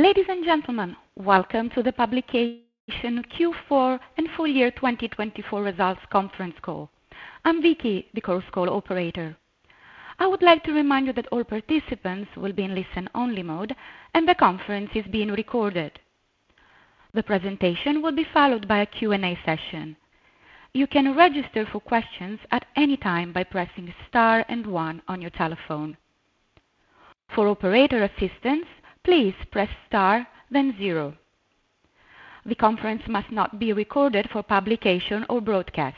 Ladies and gentlemen, welcome to the Gerresheimer Q4 and full year 2024 results conference call. I'm Vicky, the conference call operator. I would like to remind you that all participants will be in listen-only mode and the conference is being recorded. The presentation will be followed by a Q&A session. You can register for questions at any time by pressing star and one on your telephone. For operator assistance, please press star, then zero. The conference must not be recorded for publication or broadcast.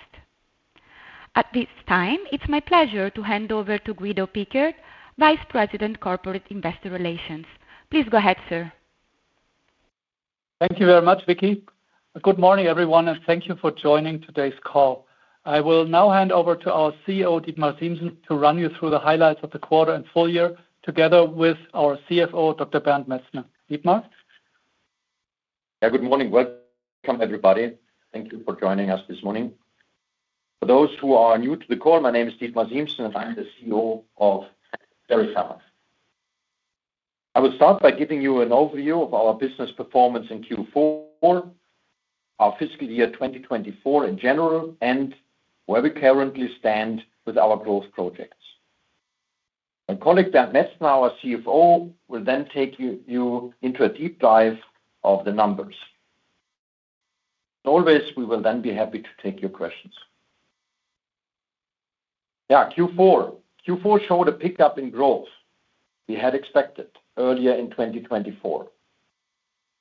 At this time, it's my pleasure to hand over to Guido Pickert, Vice President, Corporate Investor Relations. Please go ahead, sir. Thank you very much, Vicky. Good morning, everyone, and thank you for joining today's call. I will now hand over to our CEO, Dietmar Siemssen, to run you through the highlights of the quarter and full year together with our CFO, Dr. Bernd Metzner. Dietmar. Yeah, good morning. Welcome, everybody. Thank you for joining us this morning. For those who are new to the call, my name is Dietmar Siemssen, and I'm the CEO of Gerresheimer. I will start by giving you an overview of our business performance in Q4, our fiscal year 2024 in general, and where we currently stand with our growth projects. My colleague Bernd Metzner, our CFO, will then take you into a deep dive of the numbers. As always, we will then be happy to take your questions. Yeah, Q4. Q4 showed a pickup in growth we had expected earlier in 2024.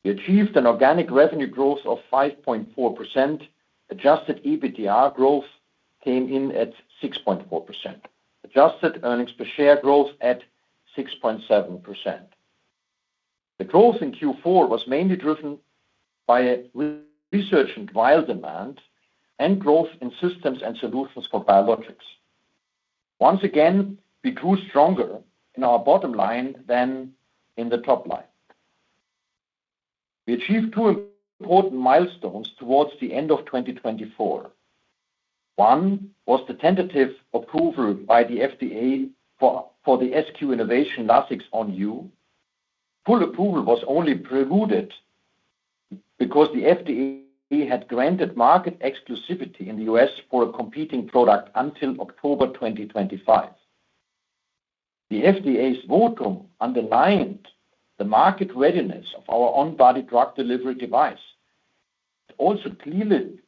We achieved an organic revenue growth of 5.4%. Adjusted EBITDA growth came in at 6.4%. Adjusted earnings per share growth at 6.7%. The growth in Q4 was mainly driven by R&D and high demand and growth in systems and solutions for biologics. Once again, we grew stronger in our bottom line than in the top line. We achieved two important milestones towards the end of 2024. One was the tentative approval by the FDA for the SQ Innovation Lasix on-body. Full approval was only precluded because the FDA had granted market exclusivity in the U.S. for a competing product until October 2025. The FDA's ruling underlined the market readiness of our on-body drug delivery device. It also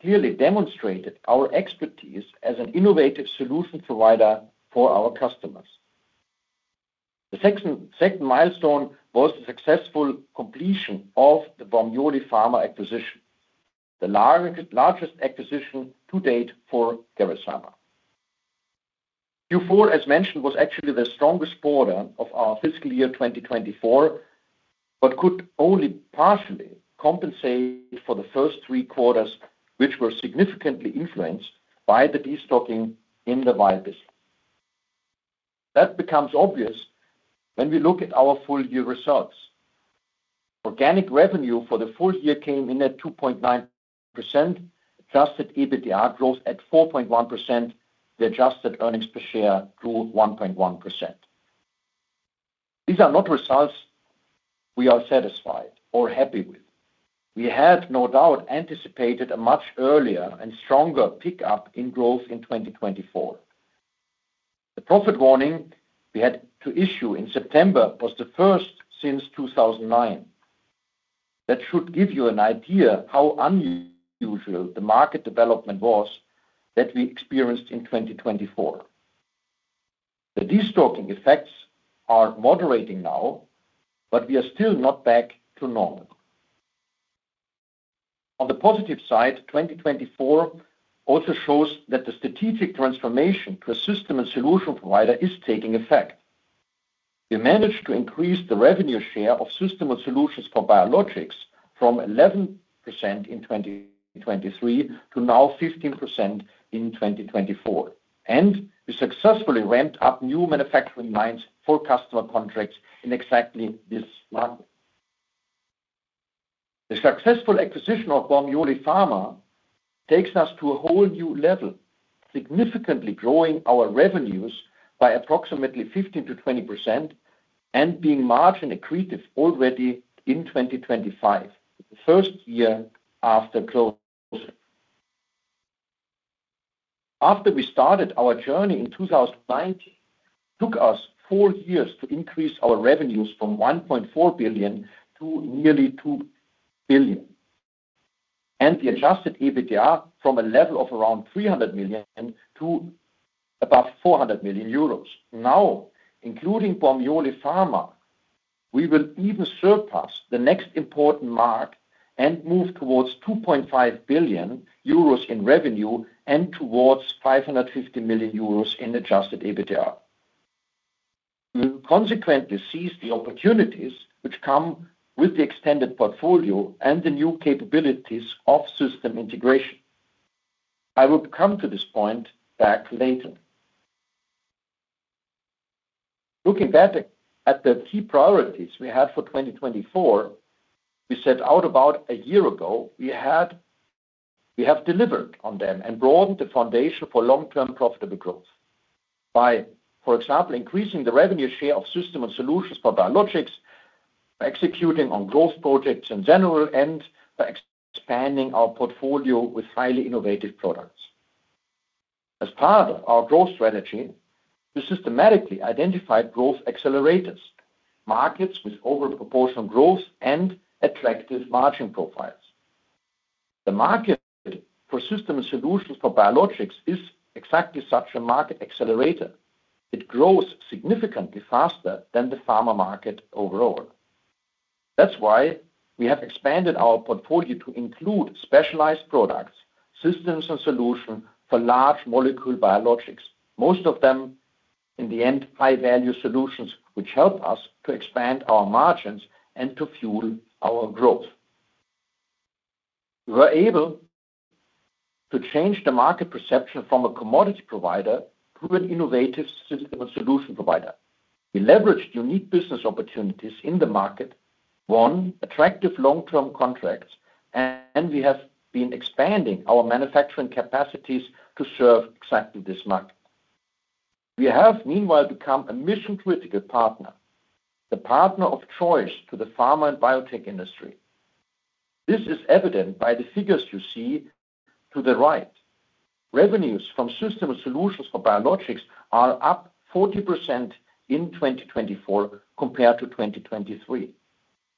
clearly demonstrated our expertise as an innovative solution provider for our customers. The second milestone was the successful completion of the Bormioli Pharma acquisition, the largest acquisition to date for Gerresheimer. Q4, as mentioned, was actually the strongest quarter of our fiscal year 2024, but could only partially compensate for the first three quarters, which were significantly influenced by the destocking in the vial business. That becomes obvious when we look at our full year results. Organic revenue for the full year came in at 2.9%. Adjusted EBITDA growth at 4.1%. The adjusted earnings per share grew 1.1%. These are not results we are satisfied or happy with. We had, no doubt, anticipated a much earlier and stronger pickup in growth in 2024. The profit warning we had to issue in September was the first since 2009. That should give you an idea how unusual the market development was that we experienced in 2024. The destocking effects are moderating now, but we are still not back to normal. On the positive side, 2024 also shows that the strategic transformation to a system and solution provider is taking effect. We managed to increase the revenue share of system and solutions for biologics from 11% in 2023 to now 15% in 2024. We successfully ramped up new manufacturing lines for customer contracts in exactly this month. The successful acquisition of Bormioli Pharma takes us to a whole new level, significantly growing our revenues by approximately 15%-20% and being margin accretive already in 2025, the first year after closing. After we started our journey in 2019, it took us four years to increase our revenues from 1.4 billion euros to nearly 2 billion euros. And the Adjusted EBITDA from a level of around 300 million euros to about 400 million euros. Now, including Bormioli Pharma, we will even surpass the next important mark and move towards 2.5 billion euros in revenue and towards 550 million euros in Adjusted EBITDA. We will consequently seize the opportunities which come with the extended portfolio and the new capabilities of system integration. I will come to this point back later. Looking back at the key priorities we had for 2024, we set out about a year ago, we have delivered on them and broadened the foundation for long-term profitable growth by, for example, increasing the revenue share of systems and solutions for biologics, executing on growth projects in general, and by expanding our portfolio with highly innovative products. As part of our growth strategy, we systematically identified growth accelerators, markets with overproportional growth and attractive margin profiles. The market for systems and solutions for biologics is exactly such a market accelerator. It grows significantly faster than the pharma market overall. That's why we have expanded our portfolio to include specialized products, systems, and solutions for large molecule biologics, most of them in the end high-value solutions which help us to expand our margins and to fuel our growth. We were able to change the market perception from a commodity provider to an innovative system and solution provider. We leveraged unique business opportunities in the market, won attractive long-term contracts, and we have been expanding our manufacturing capacities to serve exactly this market. We have meanwhile become a mission-critical partner, the partner of choice to the pharma and biotech industry. This is evident by the figures you see to the right. Revenues from system and solutions for biologics are up 40% in 2024 compared to 2023,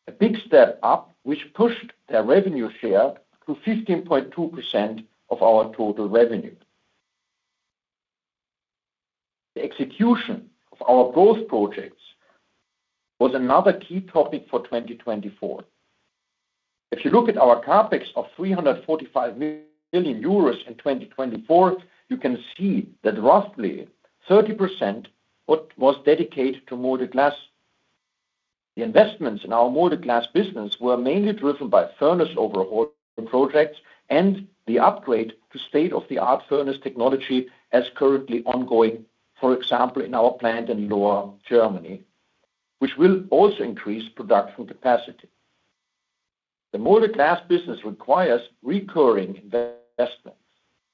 a big step up which pushed their revenue share to 15.2% of our total revenue. The execution of our growth projects was another key topic for 2024. If you look at our CapEx of 345 million euros in 2024, you can see that roughly 30% was dedicated to molded glass. The investments in our molded glass business were mainly driven by furnace overhaul projects and the upgrade to state-of-the-art furnace technology as currently ongoing, for example, in our plant in Lohr, Germany, which will also increase production capacity. The molded glass business requires recurring investments,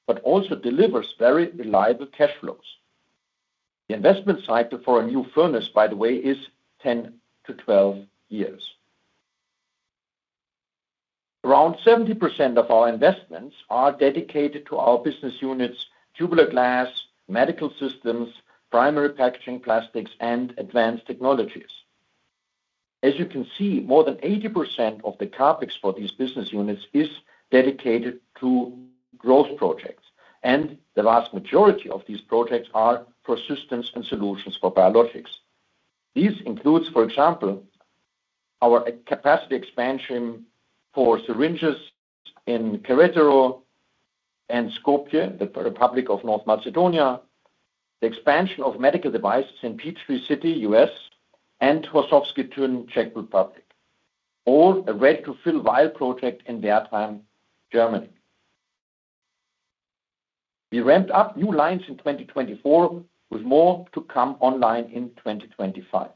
but also delivers very reliable cash flows. The investment cycle for a new furnace, by the way, is 10-12 years. Around 70% of our investments are dedicated to our business units, tubular glass, medical systems, primary packaging, plastics, and advanced technologies. As you can see, more than 80% of the CapEx for these business units is dedicated to growth projects, and the vast majority of these projects are for systems and solutions for biologics. This includes, for example, our capacity expansion for syringes in Querétaro and Skopje, the Republic of North Macedonia, the expansion of medical devices in Peachtree City, US, and Horšovský Týn, Czech Republic, or a ready-to-fill vial project in Wertheim, Germany. We ramped up new lines in 2024 with more to come online in 2025.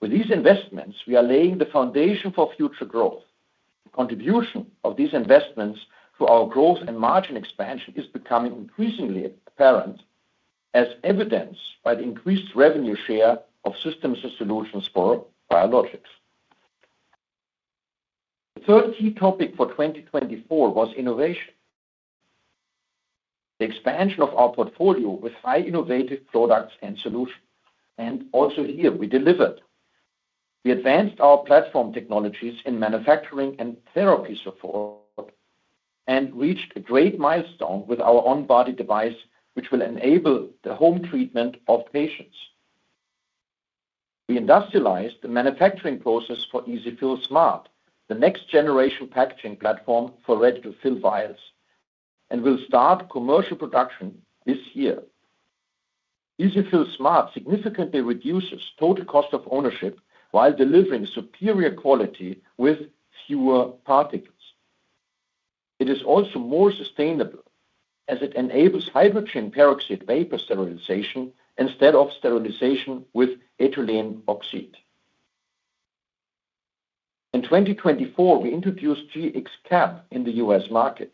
With these investments, we are laying the foundation for future growth. The contribution of these investments to our growth and margin expansion is becoming increasingly apparent as evidenced by the increased revenue share of systems and solutions for biologics. The third key topic for 2024 was innovation. The expansion of our portfolio with high innovative products and solutions. And also here, we delivered. We advanced our platform technologies in manufacturing and therapy support and reached a great milestone with our on-body device, which will enable the home treatment of patients. We industrialized the manufacturing process for EasyFill Smart, the next-generation packaging platform for ready-to-fill vials, and will start commercial production this year. EasyFill Smart significantly reduces total cost of ownership while delivering superior quality with fewer particles. It is also more sustainable as it enables hydrogen peroxide vapor sterilization instead of sterilization with ethylene oxide. In 2024, we introduced Gx CAP in the U.S. market.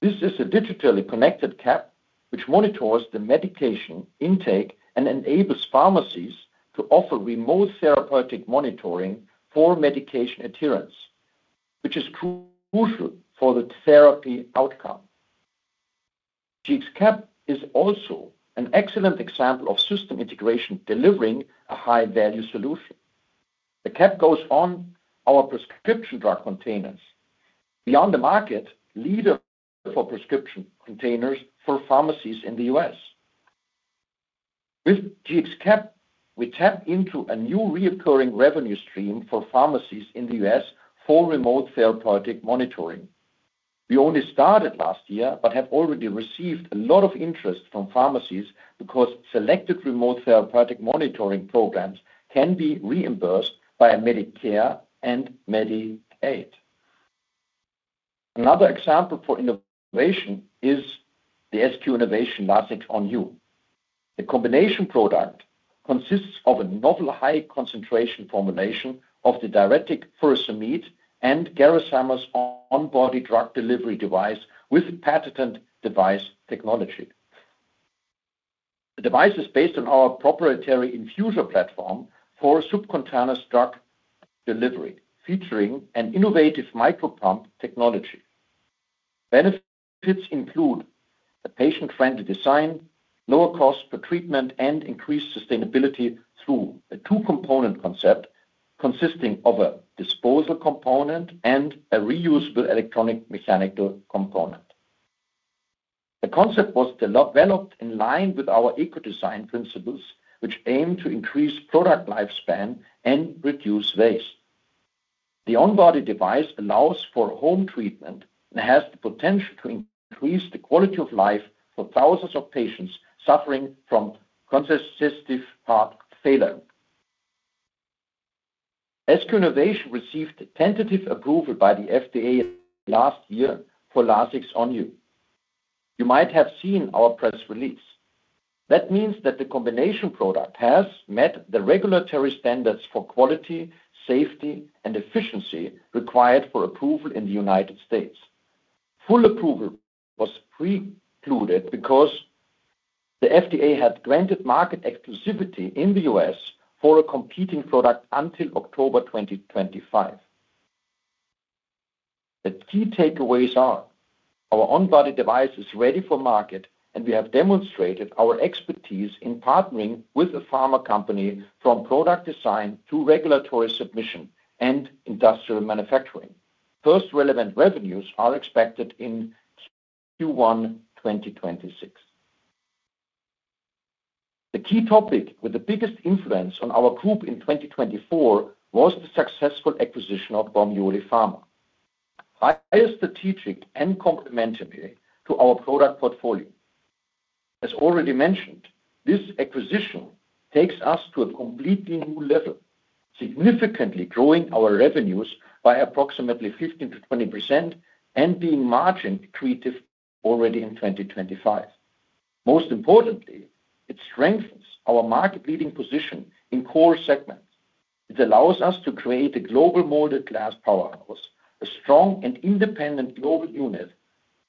This is a digitally connected cap which monitors the medication intake and enables pharmacies to offer remote therapeutic monitoring for medication adherence, which is crucial for the therapy outcome. Gx CAP is also an excellent example of system integration delivering a high-value solution. The cap goes on our prescription drug containers. Beyond the market, leader for prescription containers for pharmacies in the U.S. With Gx CAP, we tap into a new recurring revenue stream for pharmacies in the U.S. for remote therapeutic monitoring. We only started last year but have already received a lot of interest from pharmacies because selected remote therapeutic monitoring programs can be reimbursed by Medicare and Medicaid. Another example for innovation is the SQ Innovation Lasix on-body. The combination product consists of a novel high-concentration formulation of the diuretic furosemide and Gerresheimer's on-body drug delivery device with patented device technology. The device is based on our proprietary infuser platform for subcutaneous drug delivery, featuring an innovative micropump technology. Benefits include a patient-friendly design, lower cost per treatment, and increased sustainability through a two-component concept consisting of a disposable component and a reusable electronic mechanical component. The concept was developed in line with our eco-design principles, which aim to increase product lifespan and reduce waste. The on-body device allows for home treatment and has the potential to increase the quality of life for thousands of patients suffering from congestive heart failure. SQ Innovation received tentative approval by the FDA last year for Lasix on-body. You might have seen our press release. That means that the combination product has met the regulatory standards for quality, safety, and efficacy required for approval in the United States. Full approval was precluded because the FDA had granted market exclusivity in the U.S. for a competing product until October 2025. The key takeaways are our on-body device is ready for market, and we have demonstrated our expertise in partnering with a pharma company from product design to regulatory submission and industrial manufacturing. First relevant revenues are expected in Q1 2026. The key topic with the biggest influence on our group in 2024 was the successful acquisition of Bormioli Pharma, highly strategic and complementary to our product portfolio. As already mentioned, this acquisition takes us to a completely new level, significantly growing our revenues by approximately 15%-20% and being margin accretive already in 2025. Most importantly, it strengthens our market-leading position in core segments. It allows us to create a global molded glass powerhouse, a strong and independent global unit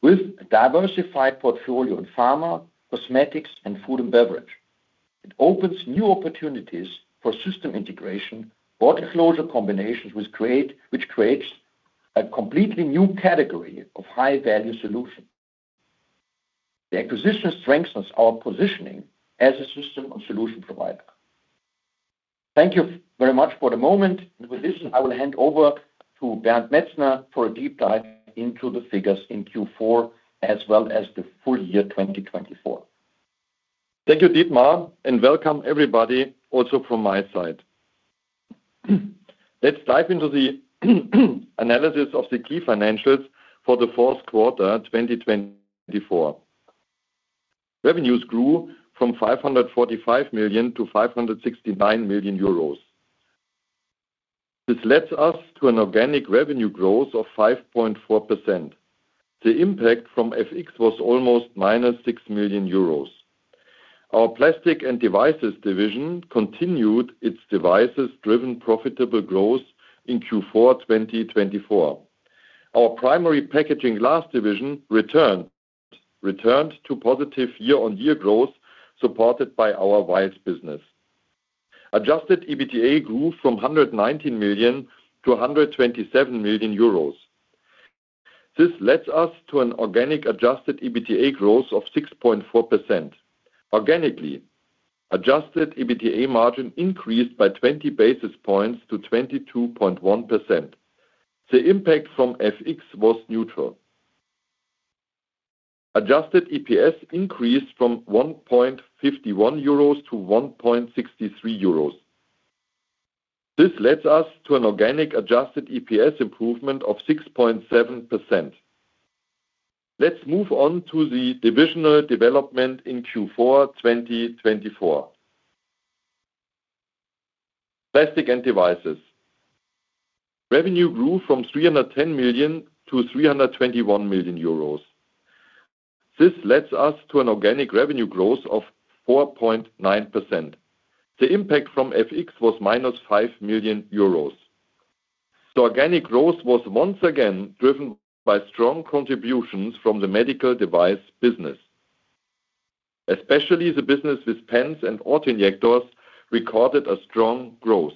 with a diversified portfolio in pharma, cosmetics, and food and beverage. It opens new opportunities for system integration, vial closure combinations, which creates a completely new category of high-value solutions. The acquisition strengthens our positioning as a system and solution provider. Thank you very much for the moment. With this, I will hand over to Bernd Metzner for a deep dive into the figures in Q4 as well as the full year 2024. Thank you, Dietmar, and welcome everybody also from my side. Let's dive into the analysis of the key financials for the fourth quarter 2024. Revenues grew from 545 million EUR to 569 million euros. This led us to an organic revenue growth of 5.4%. The impact from FX was almost minus 6 million euros. Our plastic and devices division continued its devices-driven profitable growth in Q4 2024. Our primary packaging glass division returned to positive year-on-year growth supported by our vials business. Adjusted EBITDA grew from 119 million EUR to 127 million euros. This led us to an organic adjusted EBITDA growth of 6.4%. Organically, adjusted EBITDA margin increased by 20 basis points to 22.1%. The impact from FX was neutral. Adjusted EPS increased from 1.51 euros to 1.63 euros. This led us to an organic Adjusted EPS improvement of 6.7%. Let's move on to the divisional development in Q4 2024. Plastic and devices. Revenue grew from 310 million to 321 million euros. This led us to an organic revenue growth of 4.9%. The impact from FX was minus 5 million euros. The organic growth was once again driven by strong contributions from the medical device business. Especially the business with pens and auto injectors recorded a strong growth.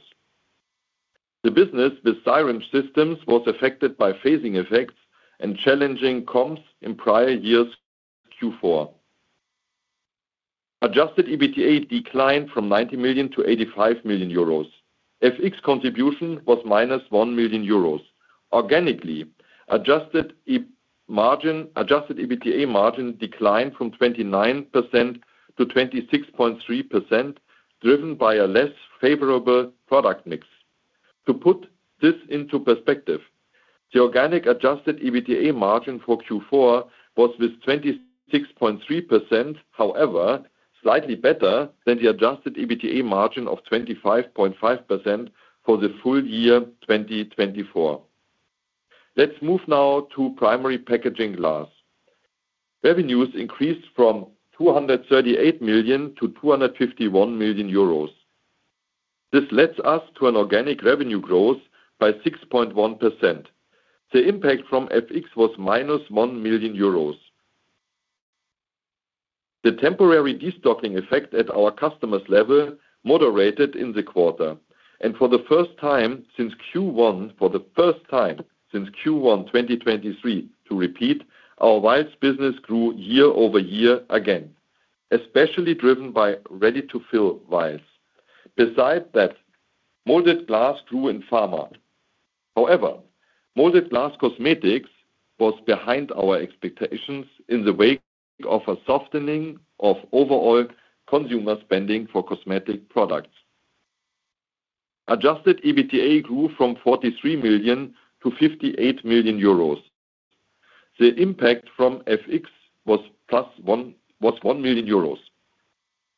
The business with syringe systems was affected by phasing effects and challenging comms in prior years Q4. Adjusted EBITDA declined from 90 million to 85 million euros. FX contribution was minus 1 million euros. Organically, Adjusted EBITDA margin declined from 29% to 26.3%, driven by a less favorable product mix. To put this into perspective, the organic Adjusted EBITDA margin for Q4 was 26.3%, however, slightly better than the Adjusted EBITDA margin of 25.5% for the full year 2024. Let's move now to primary packaging glass. Revenues increased from 238 million to 251 million euros. This led us to an organic revenue growth by 6.1%. The impact from FX was minus 1 million euros. The temporary destocking effect at our customer's level moderated in the quarter. And for the first time since Q1, for the first time since Q1 2023, to repeat, our vials business grew year over year again, especially driven by ready-to-fill vials. Besides that, molded glass grew in pharma. However, molded glass cosmetics was behind our expectations in the wake of a softening of overall consumer spending for cosmetic products. Adjusted EBITDA grew from 43 million to 58 million euros. The impact from FX was 1 million euros.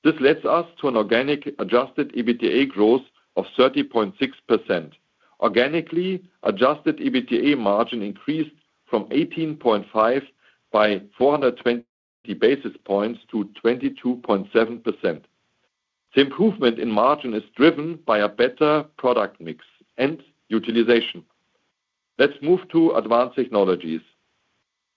This led us to an organic Adjusted EBITDA growth of 30.6%. Organically, Adjusted EBITDA margin increased from 18.5% by 420 basis points to 22.7%. The improvement in margin is driven by a better product mix and utilization. Let's move to advanced technologies.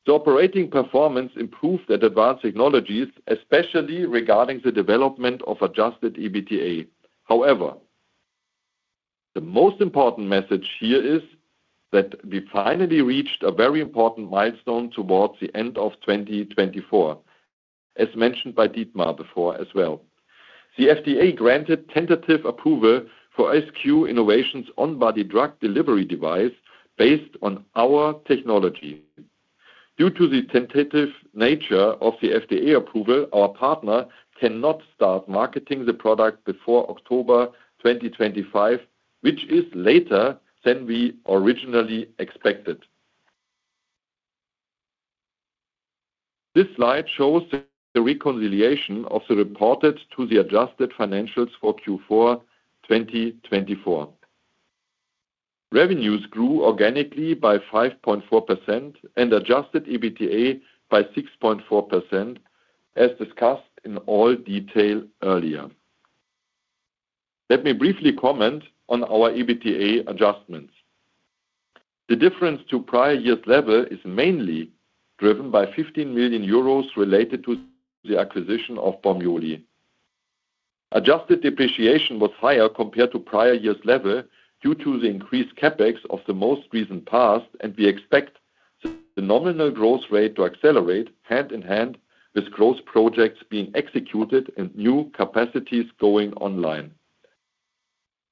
The operating performance improved at advanced technologies, especially regarding the development of Adjusted EBITDA. However, the most important message here is that we finally reached a very important milestone towards the end of 2024, as mentioned by Dietmar before as well. The FDA granted tentative approval for SQ Innovation's on-body drug delivery device based on our technology. Due to the tentative nature of the FDA approval, our partner cannot start marketing the product before October 2025, which is later than we originally expected. This slide shows the reconciliation of the reported to the adjusted financials for Q4 2024. Revenues grew organically by 5.4% and Adjusted EBITDA by 6.4%, as discussed in all detail earlier. Let me briefly comment on our EBITDA adjustments. The difference to prior year's level is mainly driven by 15 million euros related to the acquisition of Bormioli. Adjusted depreciation was higher compared to prior year's level due to the increased CapEx of the most recent past, and we expect the nominal growth rate to accelerate hand in hand with growth projects being executed and new capacities going online.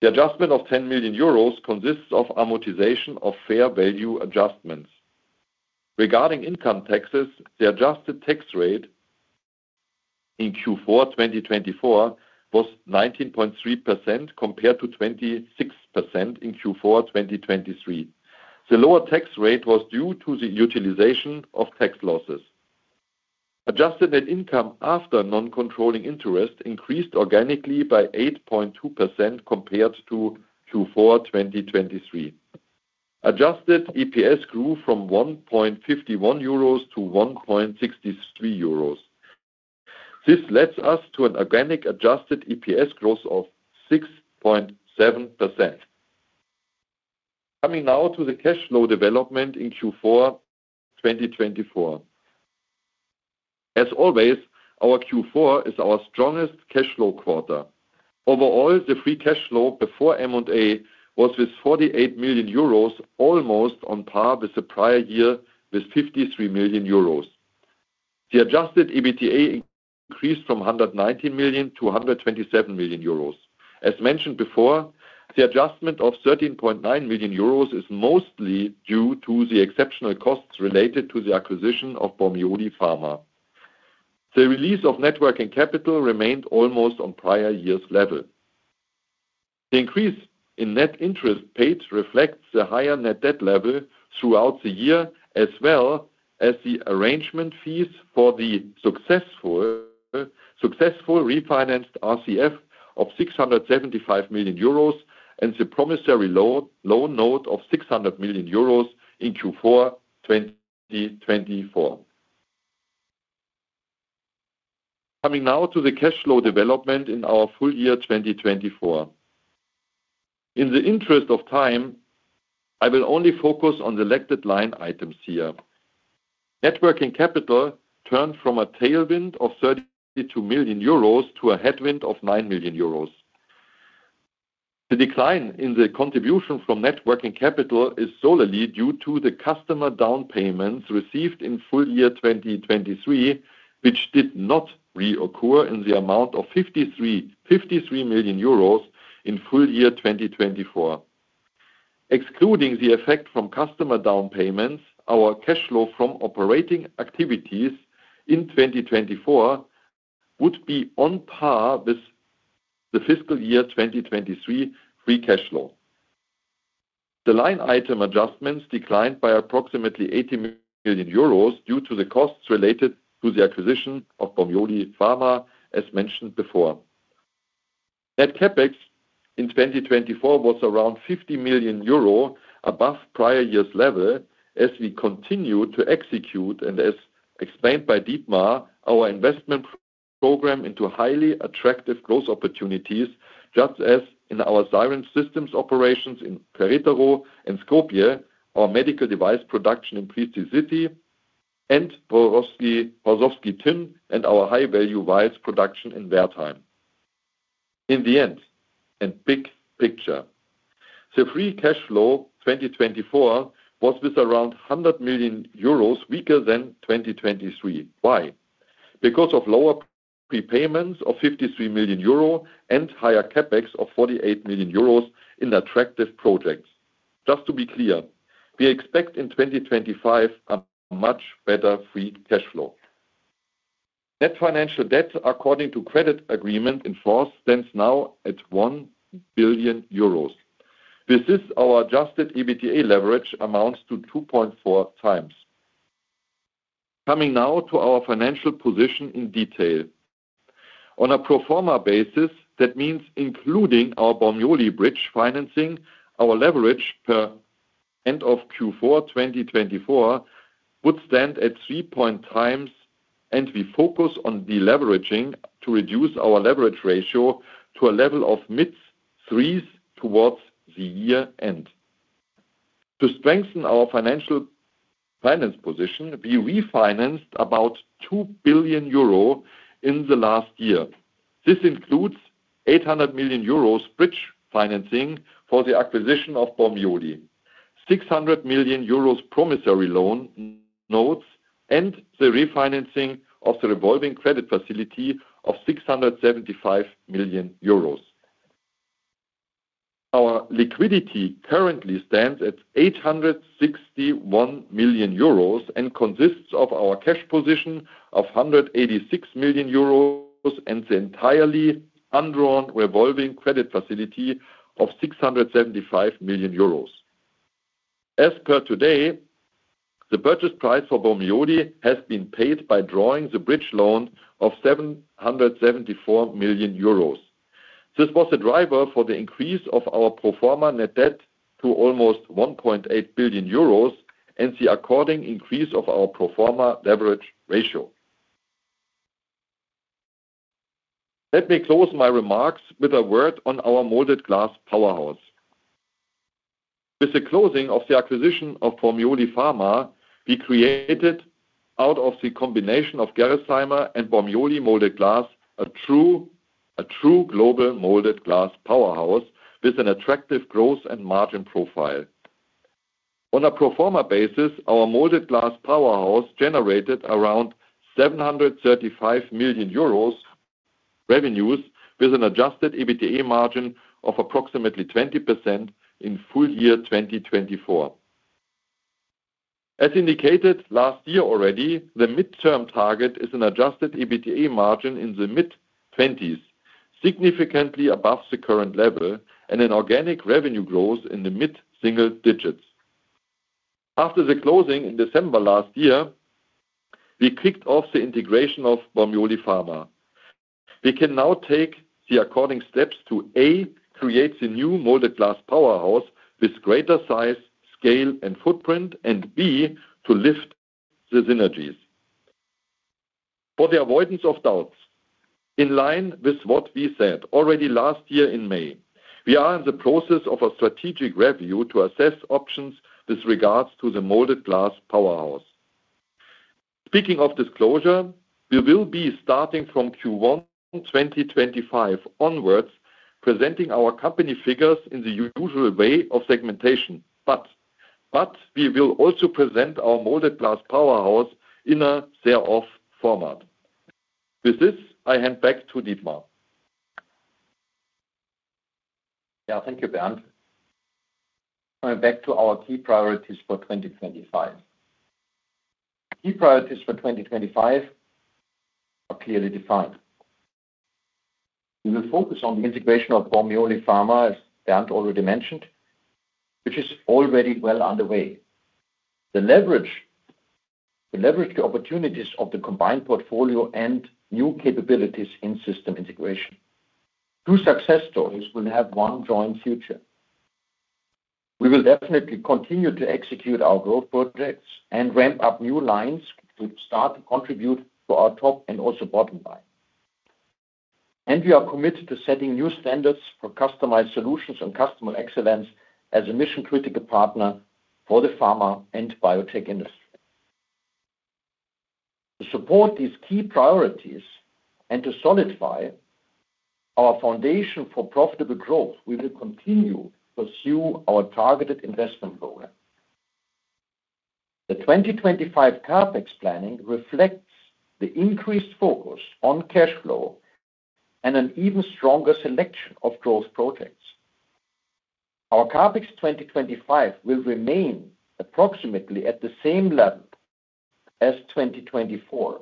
The adjustment of 10 million euros consists of amortization of fair value adjustments. Regarding income taxes, the adjusted tax rate in Q4 2024 was 19.3% compared to 26% in Q4 2023. The lower tax rate was due to the utilization of tax losses. Adjusted net income after non-controlling interest increased organically by 8.2% compared to Q4 2023. Adjusted EPS grew from 1.51 euros to 1.63 euros. This led us to an organic Adjusted EPS growth of 6.7%. Coming now to the cash flow development in Q4 2024. As always, our Q4 is our strongest cash flow quarter. Overall, the free cash flow before M&A was with 48 million euros, almost on par with the prior year with 53 million euros. The Adjusted EBITDA increased from 119 million to 127 million euros. As mentioned before, the adjustment of 13.9 million euros is mostly due to the exceptional costs related to the acquisition of Bormioli Pharma. The release of net working capital remained almost on prior year's level. The increase in net interest paid reflects the higher net debt level throughout the year, as well as the arrangement fees for the successful refinanced RCF of 675 million euros and the promissory loan note of 600 million euros in Q4 2024. Coming now to the cash flow development in our full year 2024. In the interest of time, I will only focus on the selected line items here. Net working capital turned from a tailwind of 32 million euros to a headwind of 9 million euros. The decline in the contribution from net working capital is solely due to the customer down payments received in full year 2023, which did not reoccur in the amount of 53 million euros in full year 2024. Excluding the effect from customer down payments, our cash flow from operating activities in 2024 would be on par with the fiscal year 2023 free cash flow. The line item adjustments declined by approximately 80 million euros due to the costs related to the acquisition of Bormioli Pharma, as mentioned before. Net CapEx in 2024 was around 50 million euro above prior year's level, as we continue to execute, and as explained by Dietmar, our investment program into highly attractive growth opportunities, just as in our syringe systems operations in Querétaro and Skopje, our medical device production in Peachtree City, and Horšovský Týn, and our high-value vials production in Wertheim. In the end, and big picture, the free cash flow 2024 was with around 100 million euros weaker than 2023. Why? Because of lower prepayments of 53 million euro and higher CapEx of 48 million euros in attractive projects. Just to be clear, we expect in 2025 a much better free cash flow. Net financial debt, according to credit agreement in force, stands now at 1 billion euros. With this, our Adjusted EBITDA leverage amounts to 2.4 times. Coming now to our financial position in detail. On a pro forma basis, that means including our Bormioli bridge financing, our leverage at end of Q4 2024 would stand at 3.0 times, and we focus on deleveraging to reduce our leverage ratio to a level of mid-threes towards the year end. To strengthen our financial finance position, we refinanced about 2 billion euro in the last year. This includes 800 million euros bridge financing for the acquisition of Bormioli, 600 million euros promissory loan notes, and the refinancing of the revolving credit facility of 675 million euros. Our liquidity currently stands at 861 million euros and consists of our cash position of 186 million euros and the entirely undrawn revolving credit facility of 675 million euros. As per today, the purchase price for Bormioli has been paid by drawing the bridge loan of 774 million euros. This was a driver for the increase of our pro forma net debt to almost 1.8 billion euros and the according increase of our pro forma leverage ratio. Let me close my remarks with a word on our molded glass powerhouse. With the closing of the acquisition of Bormioli Pharma, we created, out of the combination of Gerresheimer and Bormioli molded glass, a true global molded glass powerhouse with an attractive growth and margin profile. On a pro forma basis, our molded glass powerhouse generated around 735 million euros revenues with an adjusted EBITDA margin of approximately 20% in full year 2024. As indicated last year already, the midterm target is an adjusted EBITDA margin in the mid-20s, significantly above the current level, and an organic revenue growth in the mid-single digits. After the closing in December last year, we kicked off the integration of Bormioli Pharma. We can now take the appropriate steps to, A, create the new molded glass powerhouse with greater size, scale, and footprint, and B, to lift the synergies. For the avoidance of doubt, in line with what we said already last year in May, we are in the process of a strategic review to assess options with regards to the molded glass powerhouse. Speaking of disclosure, we will be starting from Q1 2025 onwards presenting our company figures in the usual way of segmentation, but we will also present our molded glass powerhouse in a carve-out format. With this, I hand back to Dietmar. Yeah, thank you, Bernd. Coming back to our key priorities for 2025. Key priorities for 2025 are clearly defined. We will focus on the integration of Bormioli Pharma, as Bernd already mentioned, which is already well underway. The leverage to opportunities of the combined portfolio and new capabilities in system integration. Two success stories will have one joint future. We will definitely continue to execute our growth projects and ramp up new lines to start to contribute to our top and also bottom line. And we are committed to setting new standards for customized solutions and customer excellence as a mission-critical partner for the pharma and biotech industry. To support these key priorities and to solidify our foundation for profitable growth, we will continue to pursue our targeted investment program. The 2025 CapEx planning reflects the increased focus on cash flow and an even stronger selection of growth projects. Our CapEx 2025 will remain approximately at the same level as 2024.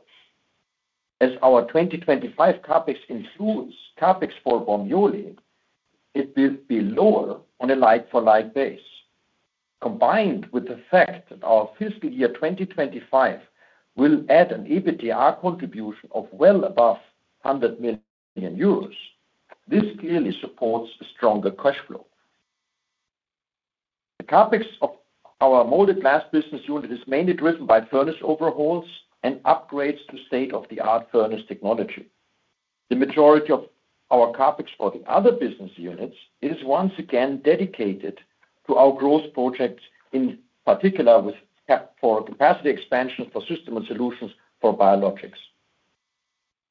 As our 2025 CapEx includes CapEx for Bormioli, it will be lower on a like-for-like base. Combined with the fact that our fiscal year 2025 will add an EBITDA contribution of well above 100 million euros, this clearly supports a stronger cash flow. The CapEx of our molded glass business unit is mainly driven by furnace overhauls and upgrades to state-of-the-art furnace technology. The majority of our CapEx for the other business units is once again dedicated to our growth projects, in particular with capacity expansion for system and solutions for biologics.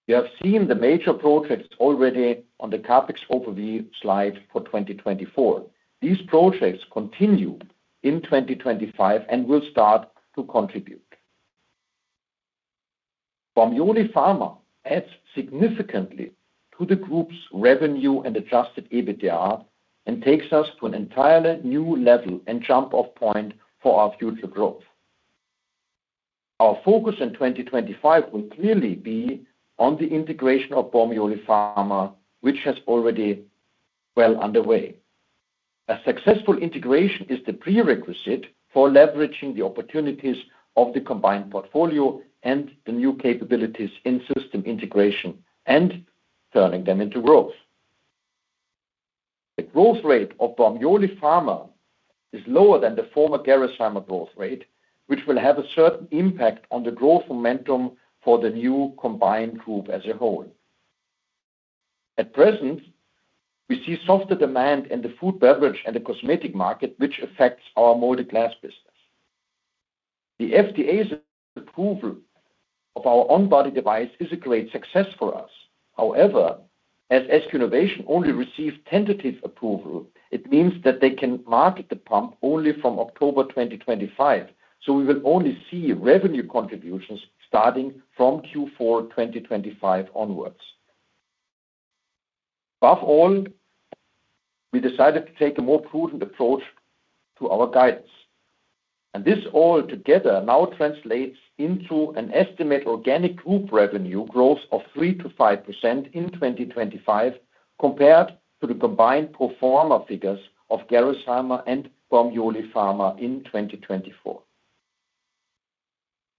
You have seen the major projects already on the CapEx overview slide for 2024. These projects continue in 2025 and will start to contribute. Bormioli Pharma adds significantly to the group's revenue and adjusted EBITDA and takes us to an entirely new level and jump-off point for our future growth. Our focus in 2025 will clearly be on the integration of Bormioli Pharma, which has already well underway. A successful integration is the prerequisite for leveraging the opportunities of the combined portfolio and the new capabilities in system integration and turning them into growth. The growth rate of Bormioli Pharma is lower than the former Gerresheimer growth rate, which will have a certain impact on the growth momentum for the new combined group as a whole. At present, we see softer demand in the food, beverage, and the cosmetic market, which affects our molded glass business. The FDA's approval of our on-body device is a great success for us. However, as SQ Innovation only received tentative approval, it means that they can market the pump only from October 2025, so we will only see revenue contributions starting from Q4 2025 onwards. Above all, we decided to take a more prudent approach to our guidance. This all together now translates into an estimated organic group revenue growth of 3%-5% in 2025 compared to the combined pro forma figures of Gerresheimer and Bormioli Pharma in 2024.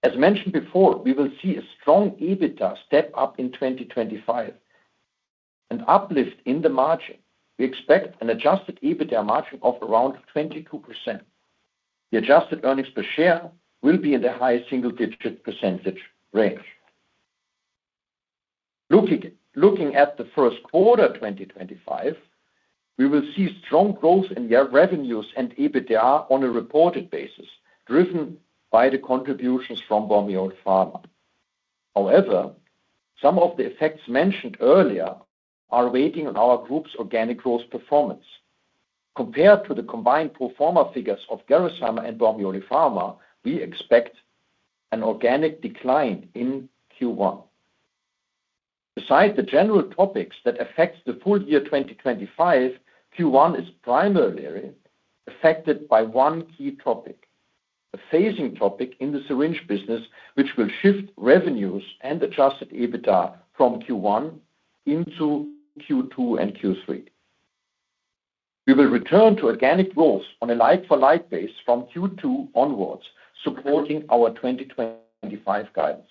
As mentioned before, we will see a strong EBITDA step up in 2025 and uplift in the margin. We expect an Adjusted EBITDA margin of around 22%. The adjusted earnings per share will be in the high single-digit % range. Looking at the first quarter 2025, we will see strong growth in revenues and EBITDA on a reported basis, driven by the contributions from Bormioli Pharma. However, some of the effects mentioned earlier are awaiting our group's organic growth performance. Compared to the combined pro forma figures of Gerresheimer and Bormioli Pharma, we expect an organic decline in Q1. Besides the general topics that affect the full year 2025, Q1 is primarily affected by one key topic, a phasing topic in the syringe business, which will shift revenues and Adjusted EBITDA from Q1 into Q2 and Q3. We will return to organic growth on a like-for-like base from Q2 onwards, supporting our 2025 guidance.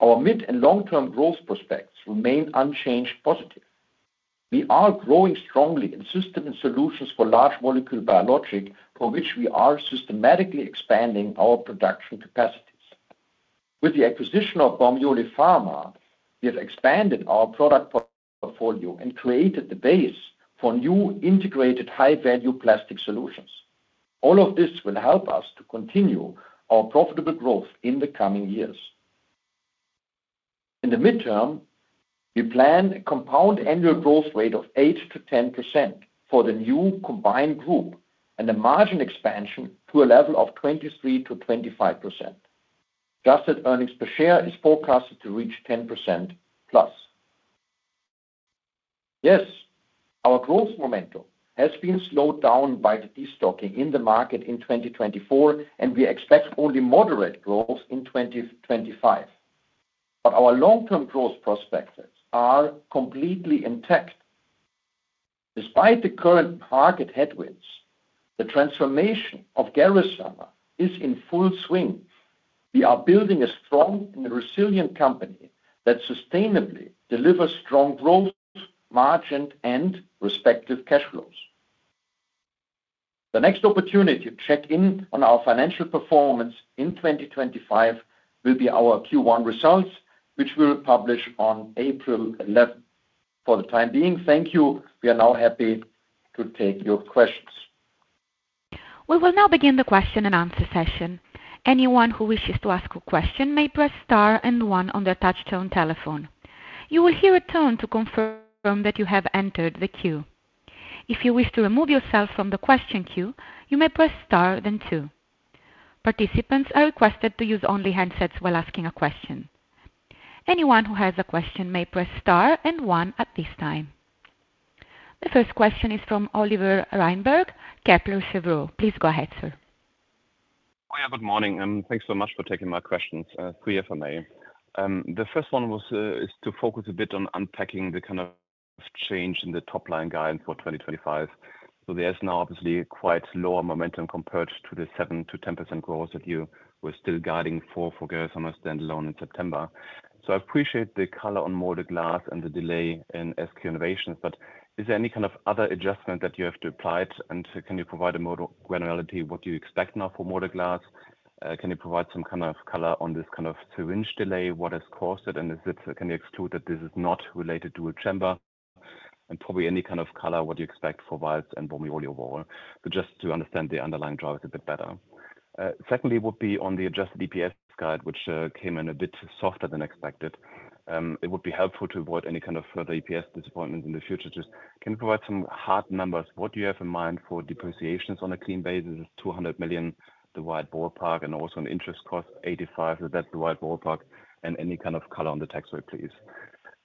Our mid and long-term growth prospects remain unchanged positive. We are growing strongly in system and solutions for large molecule biologics, for which we are systematically expanding our production capacities. With the acquisition of Bormioli Pharma, we have expanded our product portfolio and created the base for new integrated high-value plastic solutions. All of this will help us to continue our profitable growth in the coming years. In the midterm, we plan a compound annual growth rate of 8-10% for the new combined group and a margin expansion to a level of 23-25%. Adjusted earnings per share is forecasted to reach 10% plus. Yes, our growth momentum has been slowed down by the destocking in the market in 2024, and we expect only moderate growth in 2025. But our long-term growth prospects are completely intact. Despite the current market headwinds, the transformation of Gerresheimer is in full swing. We are building a strong and resilient company that sustainably delivers strong growth, margin, and respective cash flows. The next opportunity to check in on our financial performance in 2025 will be our Q1 results, which we will publish on April 11. For the time being, thank you. We are now happy to take your questions. We will now begin the question and answer session. Anyone who wishes to ask a question may press star and one on the touch-tone telephone. You will hear a tone to confirm that you have entered the queue. If you wish to remove yourself from the question queue, you may press star then two. Participants are requested to use only headsets while asking a question. Anyone who has a question may press star and one at this time. The first question is from Oliver Reinberg, Kepler Cheuvreux. Please go ahead, sir. Hi, good morning. Thanks so much for taking my questions, three if I may. The first one is to focus a bit on unpacking the kind of change in the top-line guidance for 2025. So there's now obviously quite lower momentum compared to the 7%-10% growth that you were still guiding for Gerresheimer standalone in September. So I appreciate the color on molded glass and the delay in SQ Innovation, but is there any kind of other adjustment that you have to apply? And can you provide a more granularity of what you expect now for molded glass? Can you provide some kind of color on this kind of syringe delay? What has caused it? And can you exclude that this is not related to a chamber? And probably any kind of color what you expect for vials and Bormioli overall, just to understand the underlying drivers a bit better. Secondly, it would be on the Adjusted EPS guide, which came in a bit softer than expected. It would be helpful to avoid any kind of further EPS disappointment in the future. Just can you provide some hard numbers? What do you have in mind for depreciations on a clean basis? It's 200 million, the wide ballpark, and also an interest cost, 85, that's the wide ballpark, and any kind of color on the tax rate, please.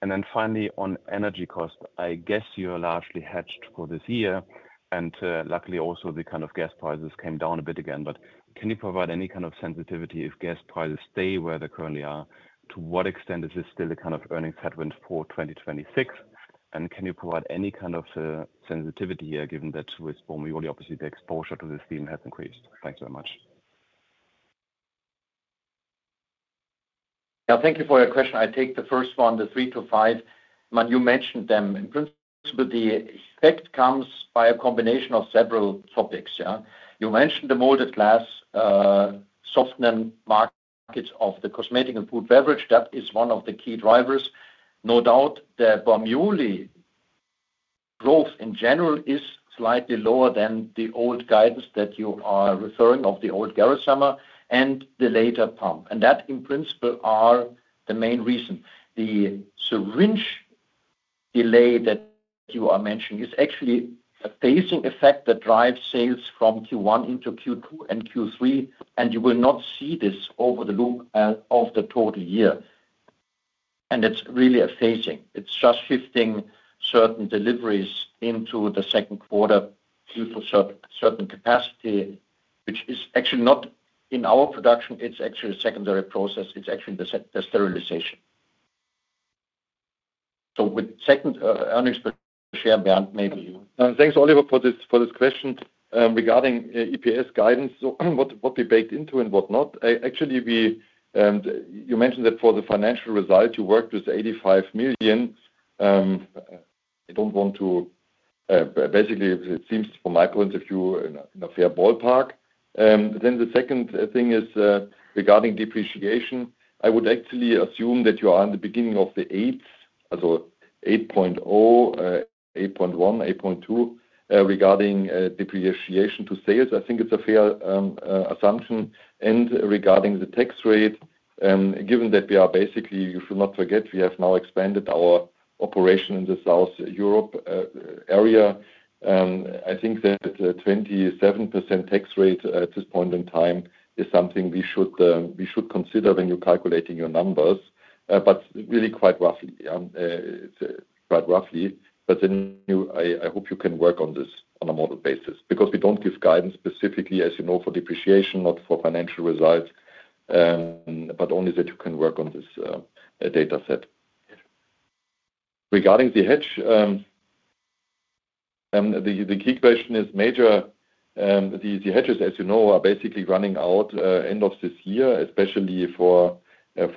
Then finally, on energy costs, I guess you're largely hedged for this year, and luckily also the kind of gas prices came down a bit again. But can you provide any kind of sensitivity if gas prices stay where they currently are? To what extent is this still a kind of earnings headwind for 2026? And can you provide any kind of sensitivity here, given that with Bormioli, obviously the exposure to this theme has increased? Thanks very much. Yeah, thank you for your question. I take the first one, the three to five. You mentioned them. In principle, the effect comes by a combination of several topics. You mentioned the molded glass, softening markets of the cosmetic and food beverage. That is one of the key drivers. No doubt, the Bormioli growth in general is slightly lower than the old guidance that you are referring to the old Gerresheimer and the later pump. And that, in principle, are the main reason. The syringe delay that you are mentioning is actually a phasing effect that drives sales from Q1 into Q2 and Q3, and you will not see this over the course of the total year. And it's really a phasing. It's just shifting certain deliveries into the second quarter due to certain capacity, which is actually not in our production. It's actually the sterilization. So with second earnings per share, Bernd, maybe you. Thanks, Oliver, for this question regarding EPS guidance. So what we baked into and what not. Actually, you mentioned that for the financial result, you worked with 85 million. I don't want to basically, it seems from my point of view, in a fair ballpark. Then the second thing is regarding depreciation. I would actually assume that you are in the beginning of the eighth, so 8.0, 8.1, 8.2 regarding depreciation to sales. I think it's a fair assumption. And regarding the tax rate, given that we are basically, you should not forget, we have now expanded our operation in the South Europe area. I think that 27% tax rate at this point in time is something we should consider when you're calculating your numbers, but really quite roughly. It's quite roughly. But then I hope you can work on this on a model basis because we don't give guidance specifically, as you know, for depreciation, not for financial results, but only that you can work on this data set. Regarding the hedge, the key question is major. The hedges, as you know, are basically running out end of this year, especially for the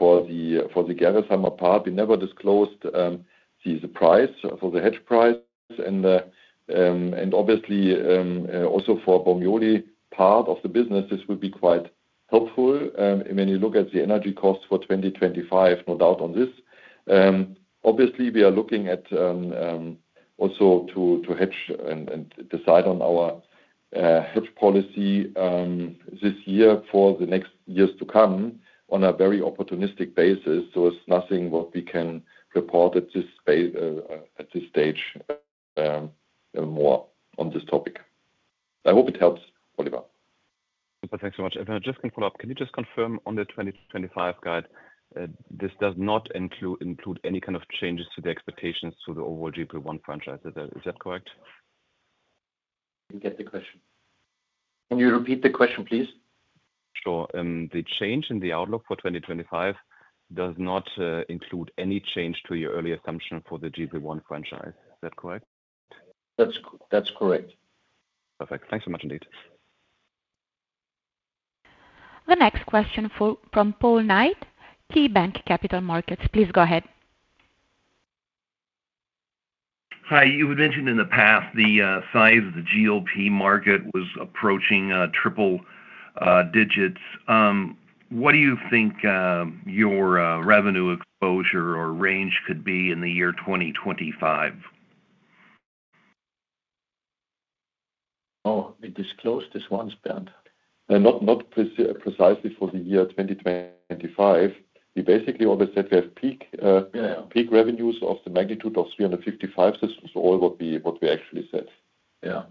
Gerresheimer part. We never disclosed the price for the hedge price. And obviously, also for Bormioli part of the business, this will be quite helpful when you look at the energy costs for 2025, no doubt on this. Obviously, we are looking at also to hedge and decide on our hedge policy this year for the next years to come on a very opportunistic basis. So it's nothing what we can report at this stage more on this topic. I hope it helps, Oliver. Thanks so much. If I just can follow up, can you just confirm on the 2025 guide, this does not include any kind of changes to the expectations to the overall GLP-1 franchise? Is that correct? I didn't get the question. Can you repeat the question, please? Sure. The change in the outlook for 2025 does not include any change to your early assumption for the GLP-1 franchise. Is that correct? That's correct. Perfect. Thanks so much indeed. The next question from Paul Knight, KeyBanc Capital Markets. Please go ahead. Hi. You mentioned in the past the size of the GLP-1 market was approaching triple digits. What do you think your revenue exposure or range could be in the year 2025? Oh, we disclosed this once, Bernd. Not precisely for the year 2025. We basically always said we have peak revenues of the magnitude of 355 million. This is all what we actually said. Yeah.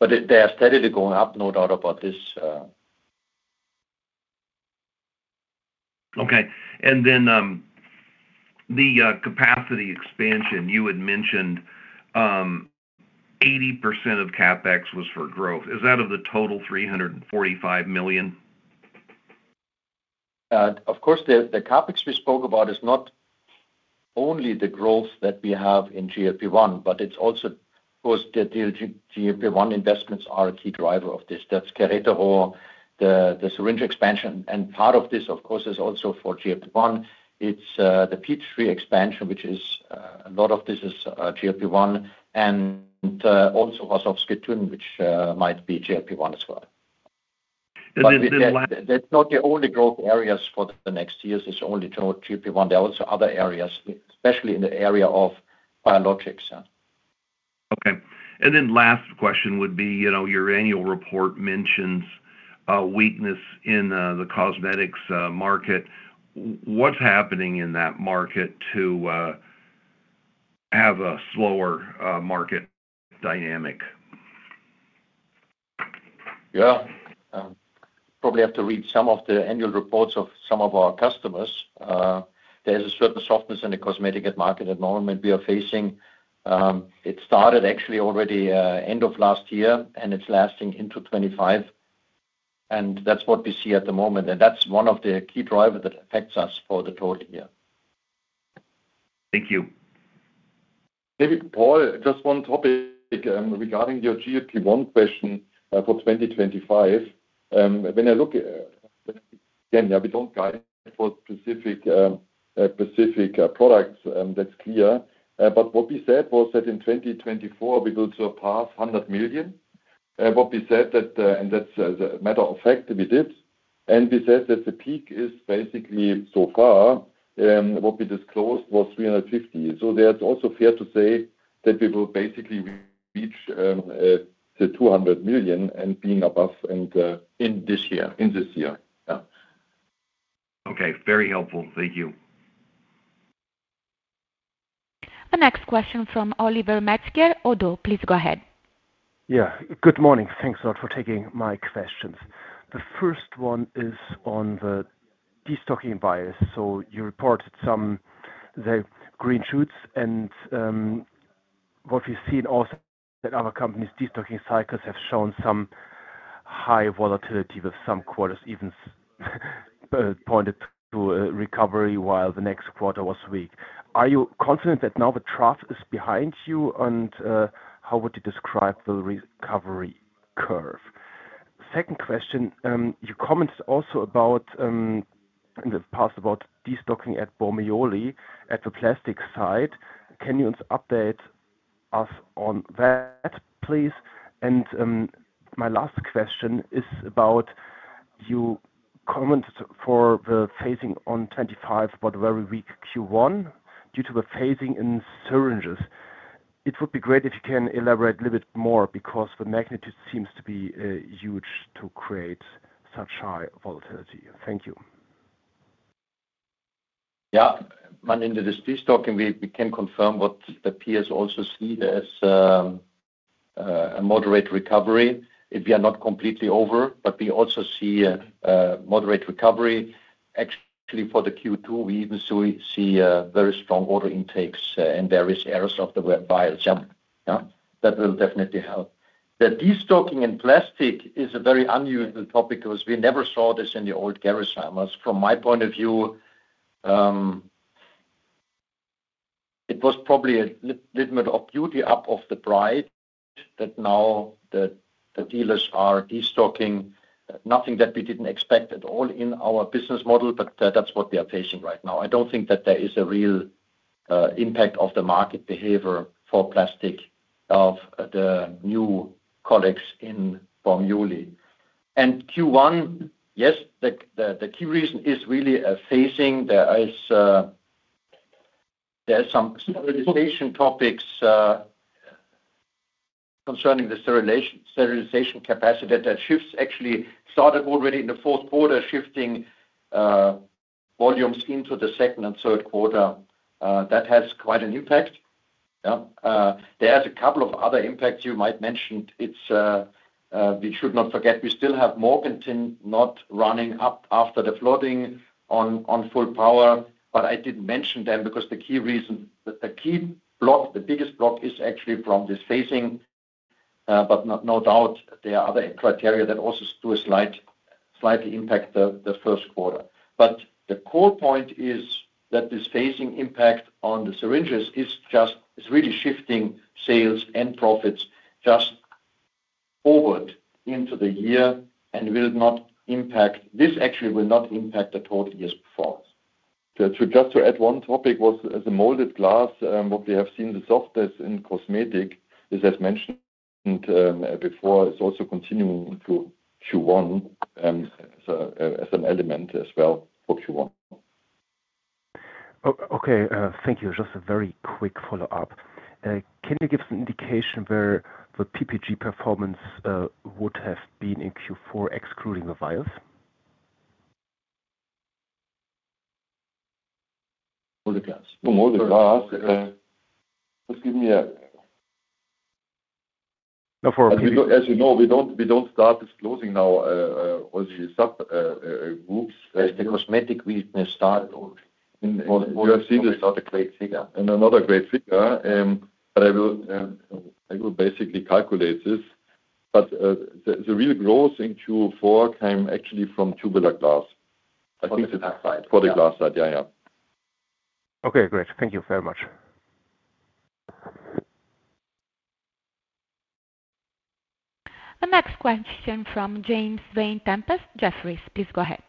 But they are steadily going up, no doubt about this. Okay. And then the capacity expansion, you had mentioned 80% of CapEx was for growth. Is that of the total 345 million? Of course, the CapEx we spoke about is not only the growth that we have in GLP-1, but it's also of course, the GLP-1 investments are a key driver of this. That's Querétaro, the syringe expansion. And part of this, of course, is also for GLP-1. It's the Peachtree expansion, which is a lot of this is GLP-1, and also Horšovský Týn, which might be GLP-1 as well. And then there's not only the growth areas for the next years. It's not only GLP-1. There are also other areas, especially in the area of biologics. Okay. And then last question would be your annual report mentions weakness in the cosmetics market. What's happening in that market to have a slower market dynamic? Yeah. Probably have to read some of the annual reports of some of our customers. There's a certain softness in the cosmetic market at the moment. We are facing it. It started actually already end of last year, and it's lasting into 2025. And that's what we see at the moment. And that's one of the key drivers that affects us for the total year. Thank you. Maybe Paul, just one topic regarding your GLP-1 question for 2025. When I look again, we don't guide for specific products. That's clear. But what we said was that in 2024, we will surpass 100 million. What we said that, and that's a matter of fact, we did. And we said that the peak is basically so far. What we disclosed was 350 million. So that's also fair to say that we will basically reach the 200 million and being above and in this year. In this year. Yeah. Okay. Very helpful. Thank you. The next question from Oliver Metzger. Oddo, please go ahead. Yeah. Good morning. Thanks a lot for taking my questions. The first one is on the destocking bias. So you reported some green shoots. And what we've seen also is that other companies' destocking cycles have shown some high volatility with some quarters even pointed to recovery while the next quarter was weak. Are you confident that now the trough is behind you? And how would you describe the recovery curve? Second question, you commented also about in the past about destocking at Bormioli at the plastic side. Can you update us on that, please? And my last question is about you commented for the phasing on 25, but very weak Q1 due to the phasing in syringes. It would be great if you can elaborate a little bit more because the magnitude seems to be huge to create such high volatility. Thank you. Yeah. When in the destocking, we can confirm what the peers also see as a moderate recovery if we are not completely over, but we also see a moderate recovery. Actually, for the Q2, we even see very strong order intakes, and there is a sort of wild jump. That will definitely help. The destocking in plastic is a very unusual topic because we never saw this in the old Gerresheimers. From my point of view, it was probably a litmus test of the buildup of inventory that now the dealers are destocking. Nothing that we didn't expect at all in our business model, but that's what we are facing right now. I don't think that there is a real impact of the market behavior for plastic of the new colleagues in Bormioli, and Q1, yes, the key reason is really phasing. There are some sterilization topics concerning the sterilization capacity that shifts actually started already in the fourth quarter, shifting volumes into the second and third quarter. That has quite an impact. There are a couple of other impacts you might mention. We should not forget we still have Morganton not running up after the flooding on full power. But I didn't mention them because the key reason, the key block, the biggest block is actually from this phasing. But no doubt, there are other criteria that also do a slight impact the first quarter. But the core point is that this phasing impact on the syringes is just really shifting sales and profits just forward into the year and will not impact. This actually will not impact the total years before. Just to add one topic was the molded glass. What we have seen, the softness in cosmetic, as I've mentioned before, is also continuing into Q1 as an element as well for Q1. Okay. Thank you. Just a very quick follow-up. Can you give some indication where the PPG performance would have been in Q4, excluding the vials? Molded glass. Molded glass. Just give me a- As you know, we don't start disclosing now all the subgroups. The cosmetic we started- You have seen it start a great figure. And another great figure. But I will basically calculate this. But the real growth in Q4 came actually from tubular glass. I think it's for the glass side. Yeah, yeah. Okay. Great. Thank you very much. The next question from James Vane-Tempest. Jefferies, please go ahead.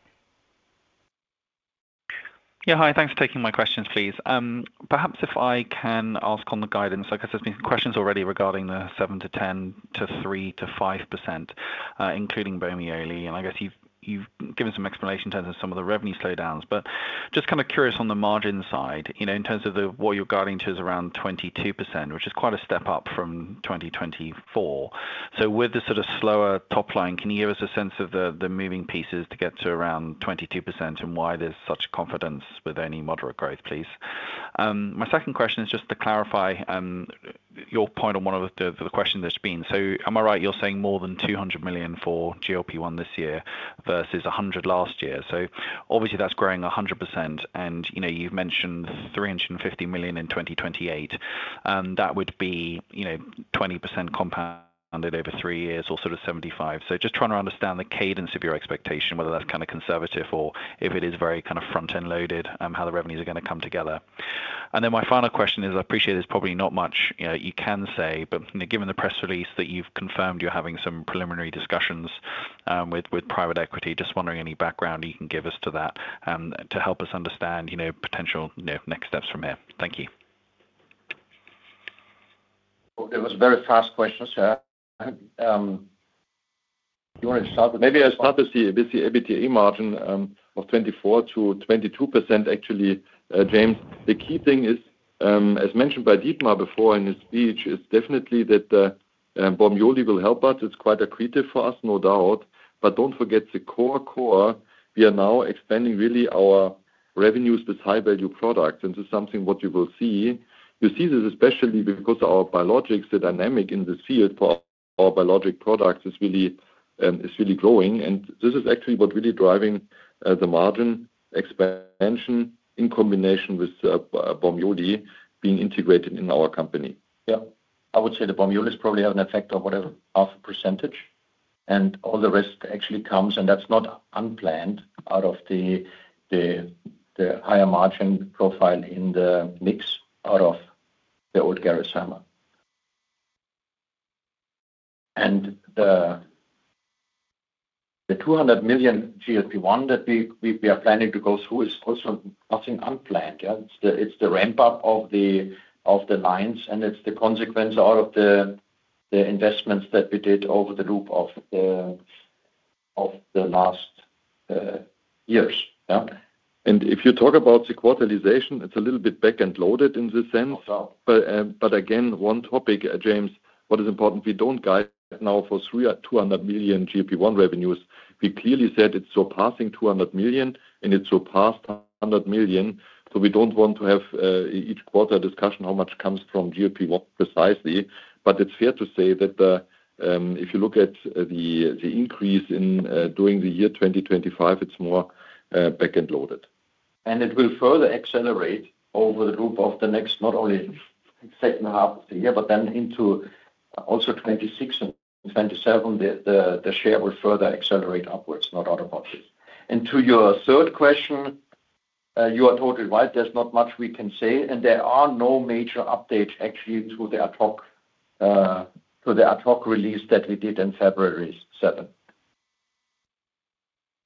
Yeah. Hi. Thanks for taking my questions, please. Perhaps if I can ask on the guidance. I guess there's been questions already regarding the 7%-10% to 3%-5%, including Bormioli. And I guess you've given some explanation in terms of some of the revenue slowdowns. But just kind of curious on the margin side, in terms of what you're guiding to is around 22%, which is quite a step up from 2024. So with the sort of slower top line, can you give us a sense of the moving pieces to get to around 22% and why there's such confidence with only moderate growth, please? My second question is just to clarify your point on one of the questions that's been. So am I right? You're saying more than 200 million for GLP-1 this year versus 100 million last year. So obviously, that's growing 100%. And you've mentioned 350 million in 2028. That would be 20% compounded over three years, or sort of 75%. So just trying to understand the cadence of your expectation, whether that's kind of conservative or if it is very kind of front-end loaded, how the revenues are going to come together. And then my final question is, I appreciate there's probably not much you can say, but given the press release that you've confirmed you're having some preliminary discussions with private equity, just wondering any background you can give us to that to help us understand potential next steps from here. Thank you. It was a very fast question. You wanted to start with, maybe I'll start with the EBITDA margin of 24%-22%, actually, James. The key thing is, as mentioned by Dietmar before in his speech, it's definitely that Bormioli will help us. It's quite accretive for us, no doubt. But don't forget the core core. We are now expanding really our revenues with high-value products. And this is something what you will see. You see this especially because our biologics, the dynamic in this field for our biologic products is really growing. And this is actually what really driving the margin expansion in combination with Bormioli being integrated in our company. Yeah. I would say the Bormiolis probably have an effect of whatever, half a percentage. And all the rest actually comes, and that's not unplanned out of the higher margin profile in the mix out of the old Gerresheimer. And the 200 million GLP-1 that we are planning to go through is also nothing unplanned. It's the ramp-up of the lines, and it's the consequence out of the investments that we did over the course of the last years. And if you talk about the quarterlization, it's a little bit back-end loaded in this sense. But again, one topic, James. What is important? We don't guide now for 200 million GLP-1 revenues. We clearly said it's surpassing 200 million, and it surpassed 100 million. So we don't want to have each quarter discussion how much comes from GLP-1 precisely. But it's fair to say that if you look at the increase during the year 2025, it's more back-end loaded. And it will further accelerate over the course of the next not only second half of the year, but then into also 2026 and 2027. The share will further accelerate upwards. No doubt about this. And to your third question, you are totally right. There's not much we can say. And there are no major updates actually to the ad hoc release that we did on February 7.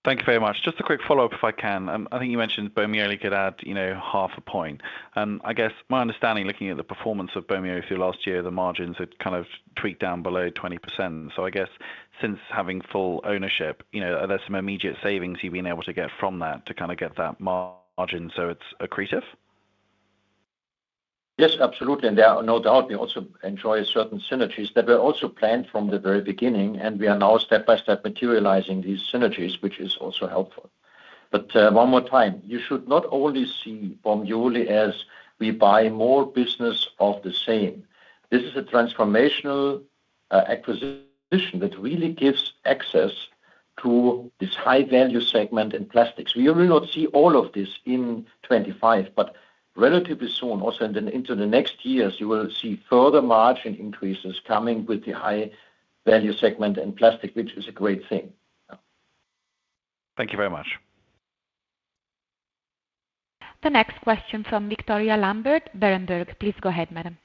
Thank you very much. Just a quick follow-up if I can. I think you mentioned Bormioli could add half a point. And I guess my understanding, looking at the performance of Bormioli through last year, the margins had kind of tweaked down below 20%. So I guess since having full ownership, are there some immediate savings you've been able to get from that to kind of get that margin so it's accretive? Yes, absolutely. And there are no doubt. We also enjoy certain synergies that were also planned from the very beginning, and we are now step by step materializing these synergies, which is also helpful. But one more time, you should not only see Bormioli as we buy more business of the same. This is a transformational acquisition that really gives access to this high-value segment in plastics. We will not see all of this in 25, but relatively soon, also into the next years, you will see further margin increases coming with the high-value segment in plastic, which is a great thing. Thank you very much. The next question from Victoria Lambert, Berenberg. Please go ahead, madam.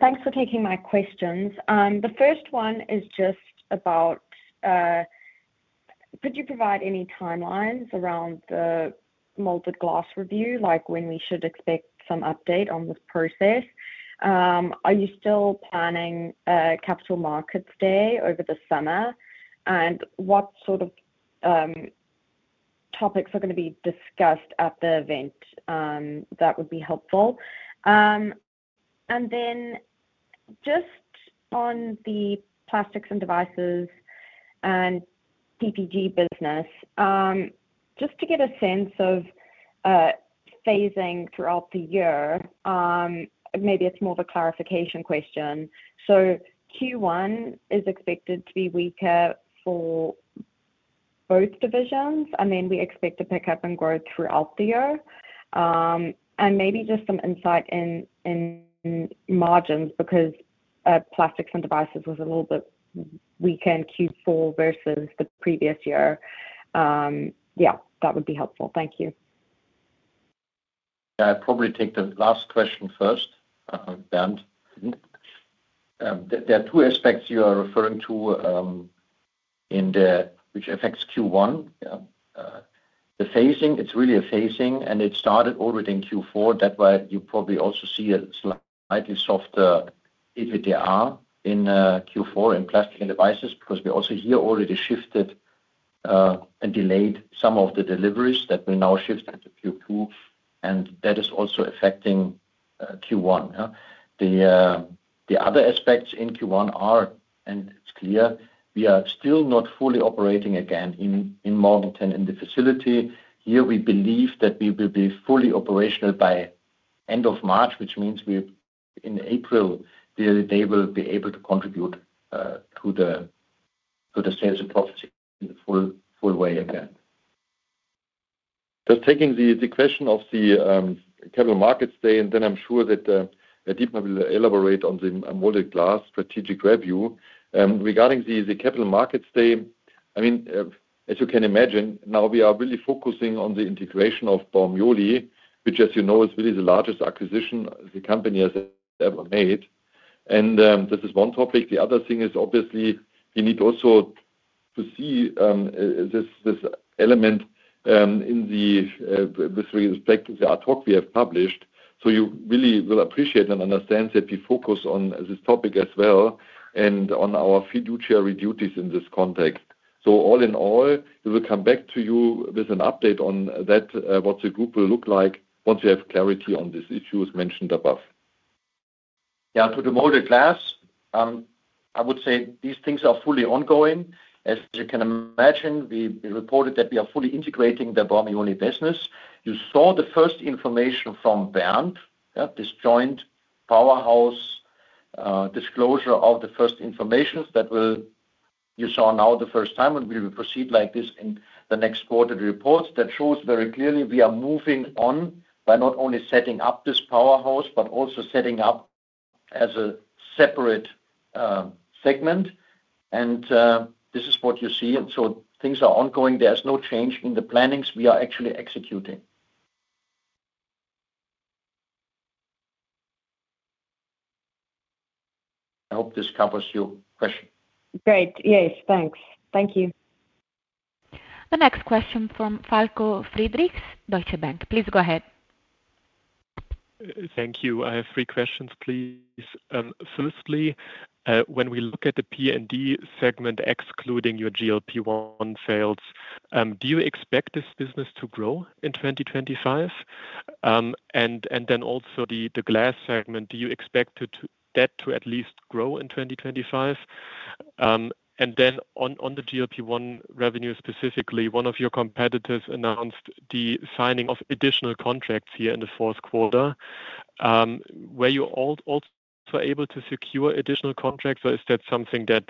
Thanks for taking my questions. The first one is just about, could you provide any timelines around the molded glass review, like when we should expect some update on this process? Are you still planning Capital Markets Day over the summer? And what sort of topics are going to be discussed at the event? That would be helpful. And then just on the plastics and devices and PPG business, just to get a sense of phasing throughout the year, maybe it's more of a clarification question. So Q1 is expected to be weaker for both divisions. I mean, we expect to pick up and grow throughout the year, and maybe just some insight in margins because plastics and devices was a little bit weaker in Q4 versus the previous year. Yeah, that would be helpful. Thank you. I'll probably take the last question first, Bernd. There are two aspects you are referring to in there which affects Q1. The phasing, it's really a phasing, and it started already in Q4. That's why you probably also see a slightly softer EBITDA in Q4 in plastic and devices because we also here already shifted and delayed some of the deliveries that will now shift into Q2, and that is also affecting Q1. The other aspects in Q1 are, and it's clear, we are still not fully operating again in Morganton in the facility. Here, we believe that we will be fully operational by end of March, which means in April, they will be able to contribute to the sales and profits in the full way again. Just taking the question of the Capital Markets Day, and then I'm sure that Dietmar will elaborate on the molded glass strategic review. Regarding the Capital Markets Day, I mean, as you can imagine, now we are really focusing on the integration of Bormioli, which, as you know, is really the largest acquisition the company has ever made, and this is one topic. The other thing is, obviously, we need also to see this element with respect to the ad hoc we have published, so you really will appreciate and understand that we focus on this topic as well and on our fiduciary duties in this context. So all in all, we will come back to you with an update on that, what the group will look like once we have clarity on these issues mentioned above. Yeah, to the molded glass, I would say these things are fully ongoing. As you can imagine, we reported that we are fully integrating the Bormioli business. You saw the first information from Bernd, this joint powerhouse disclosure of the first information that you saw now the first time, and we will proceed like this in the next quarter reports that shows very clearly we are moving on by not only setting up this powerhouse, but also setting up as a separate segment. And this is what you see. And so things are ongoing. There is no change in the planning we are actually executing. I hope this covers your question. Great. Yes. Thanks. Thank you. The next question from Falko Friedrichs, Deutsche Bank. Please go ahead. Thank you. I have three questions, please. Firstly, when we look at the P&D segment, excluding your GLP-1 sales, do you expect this business to grow in 2025? And then also the glass segment, do you expect that to at least grow in 2025? And then on the GLP-1 revenue specifically, one of your competitors announced the signing of additional contracts here in the fourth quarter. Were you also able to secure additional contracts? Or is that something that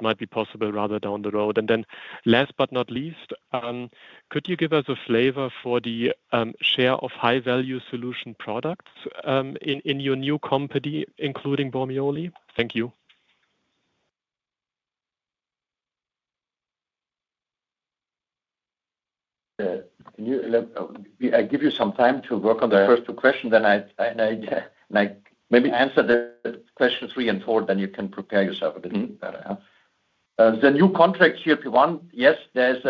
might be possible rather down the road? And then last but not least, could you give us a flavor for the share of high-value solution products in your new company, including Bormioli? Thank you. Can you give you some time to work on the first two questions? And maybe answer the question three and four, then you can prepare yourself a bit better. The new contract GLP-1, yes, there's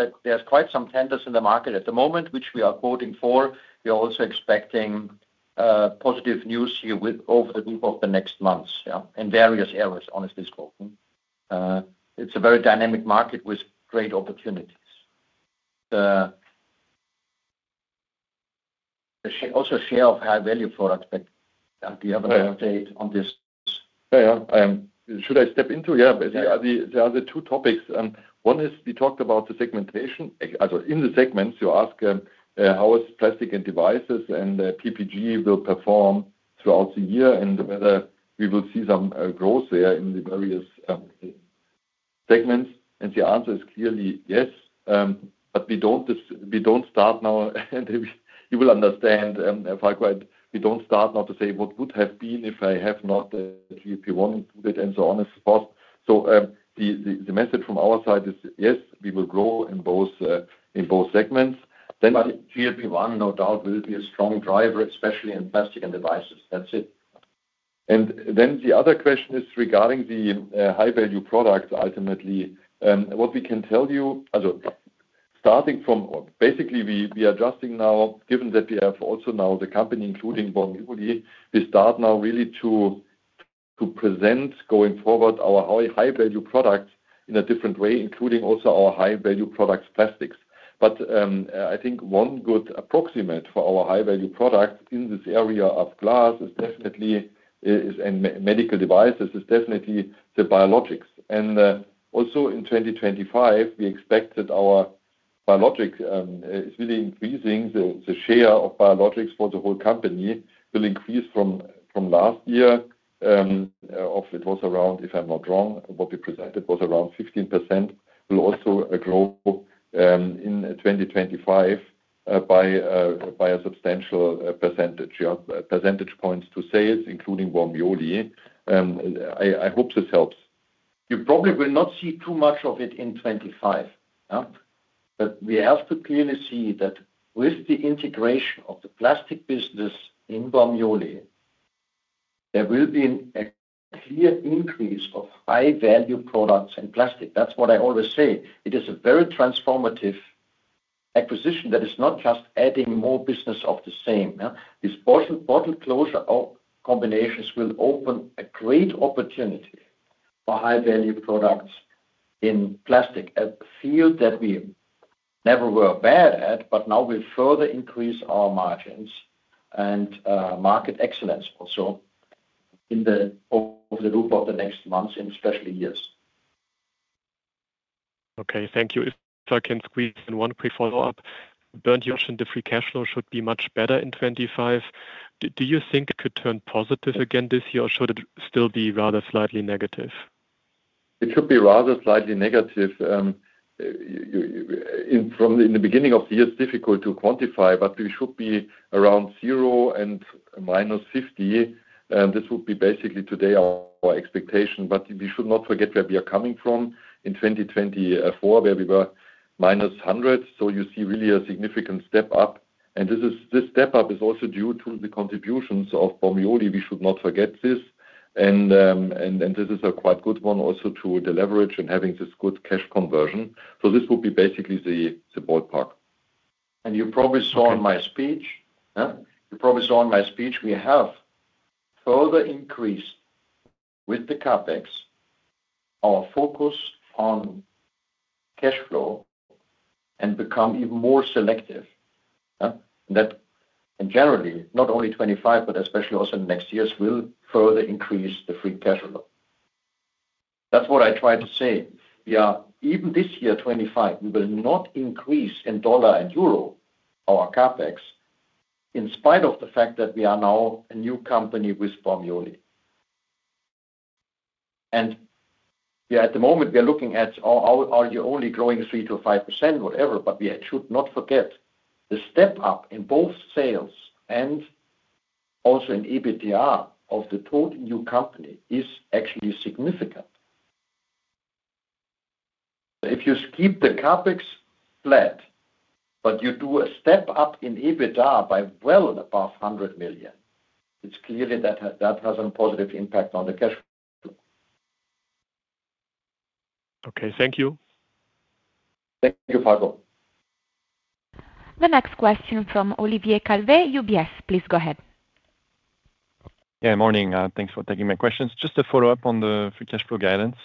quite some tenders in the market at the moment, which we are quoting for. We are also expecting positive news here over the course of the next months in various areas, honestly speaking. It's a very dynamic market with great opportunities. There's also a share of high-value products, but do you have an update on this? Yeah, yeah. Should I step into? There are the two topics. One is we talked about the segmentation. Actually, in the segments, you ask how plastic and devices and PPG will perform throughout the year and whether we will see some growth there in the various segments. And the answer is clearly yes. But we don't start now. You will understand if I quote. We don't start now to say, "What would have been if I have not GLP-1 included?" and so on and so forth. So the message from our side is, yes, we will grow in both segments. Then GLP-1, no doubt, will be a strong driver, especially in plastic and devices. That's it. And then the other question is regarding the high-value products, ultimately. What we can tell you, starting from basically, we are adjusting now, given that we have also now the company, including Bormioli, we start now really to present going forward our high-value products in a different way, including also our high-value products, plastics. But I think one good approximate for our high-value products in this area of glass is definitely medical devices, is definitely the biologics. And also in 2025, we expect that our biologics is really increasing. The share of biologics for the whole company will increase from last year. It was around, if I'm not wrong, what we presented was around 15%. We'll also grow in 2025 by a substantial percentage, percentage points to sales, including Bormioli. I hope this helps. You probably will not see too much of it in 25. But we have to clearly see that with the integration of the plastic business in Bormioli, there will be a clear increase of high-value products and plastic. That's what I always say. It is a very transformative acquisition that is not just adding more business of the same. These bottle closure combinations will open a great opportunity for high-value products in plastic, a field that we never were bad at, but now we further increase our margins and market excellence also over the loop of the next months and especially years. Okay. Thank you. If I can squeeze in one quick follow-up, Bernd, you mentioned the free cash flow should be much better in 2025. Do you think it could turn positive again this year, or should it still be rather slightly negative? It should be rather slightly negative. In the beginning of the year, it's difficult to quantify, but we should be around 0 and minus 50. This would be basically today our expectation. But we should not forget where we are coming from in 2024, where we were minus 100. So you see really a significant step up. And this step up is also due to the contributions of Bormioli. We should not forget this. And this is a quite good one also to the leverage and having this good cash conversion. So this would be basically the ballpark. You probably saw in my speech, we have further increased with the CapEx our focus on cash flow, and become even more selective. Generally, not only 2025, but especially also in the next years we will further increase the free cash flow. That's what I tried to say. Even this year, 2025, we will not increase in dollar and euro our CapEx in spite of the fact that we are now a new company with Bormioli. At the moment, we are looking at only growing 3%-5%, whatever. We should not forget the step up in both sales and also in EBITDA of the total new company is actually significant. If you keep the CapEx flat, but you do a step up in EBITDA by well above 100 million, it's clear that that has a positive impact on the cash flow. Okay. Thank you. Thank you, Falko. The next question from Olivier Calvet, UBS. Please go ahead. Yeah. Morning. Thanks for taking my questions. Just to follow up on the free cash flow guidance.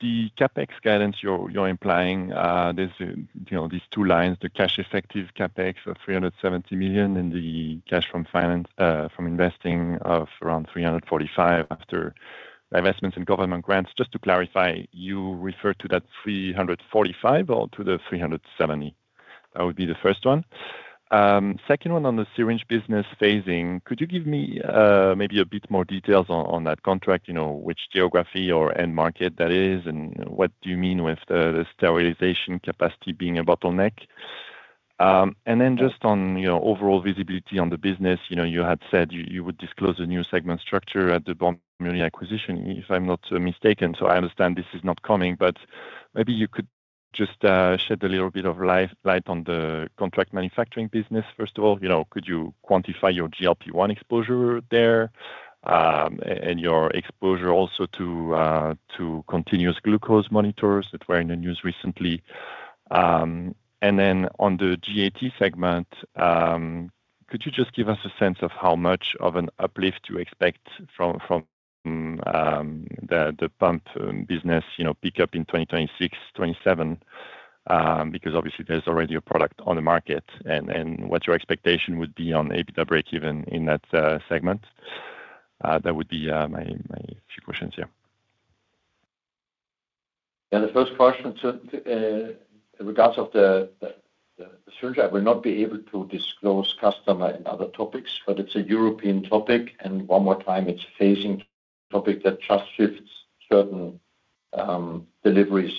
The CapEx guidance you're implying, there's these two lines, the cash effective CapEx of 370 million and the cash from investing of around 345 million after investments in government grants. Just to clarify, you refer to that 345 or to the 370? That would be the first one. Second one on the syringe business phasing. Could you give me maybe a bit more details on that contract, which geography or end market that is, and what do you mean with the sterilization capacity being a bottleneck? And then just on overall visibility on the business, you had said you would disclose a new segment structure at the Bormioli acquisition, if I'm not mistaken. So I understand this is not coming, but maybe you could just shed a little bit of light on the contract manufacturing business, first of all. Could you quantify your GLP-1 exposure there and your exposure also to continuous glucose monitors that were in the news recently? And then on the GAT segment, could you just give us a sense of how much of an uplift you expect from the pump business pickup in 2026-27? Because obviously, there's already a product on the market. And what your expectation would be on EBITDA break even in that segment? That would be my few questions here. Yeah. The first question, in regards to the syringe, I will not be able to disclose customer and other topics, but it's a European topic, and one more time, it's a phasing topic that just shifts certain deliveries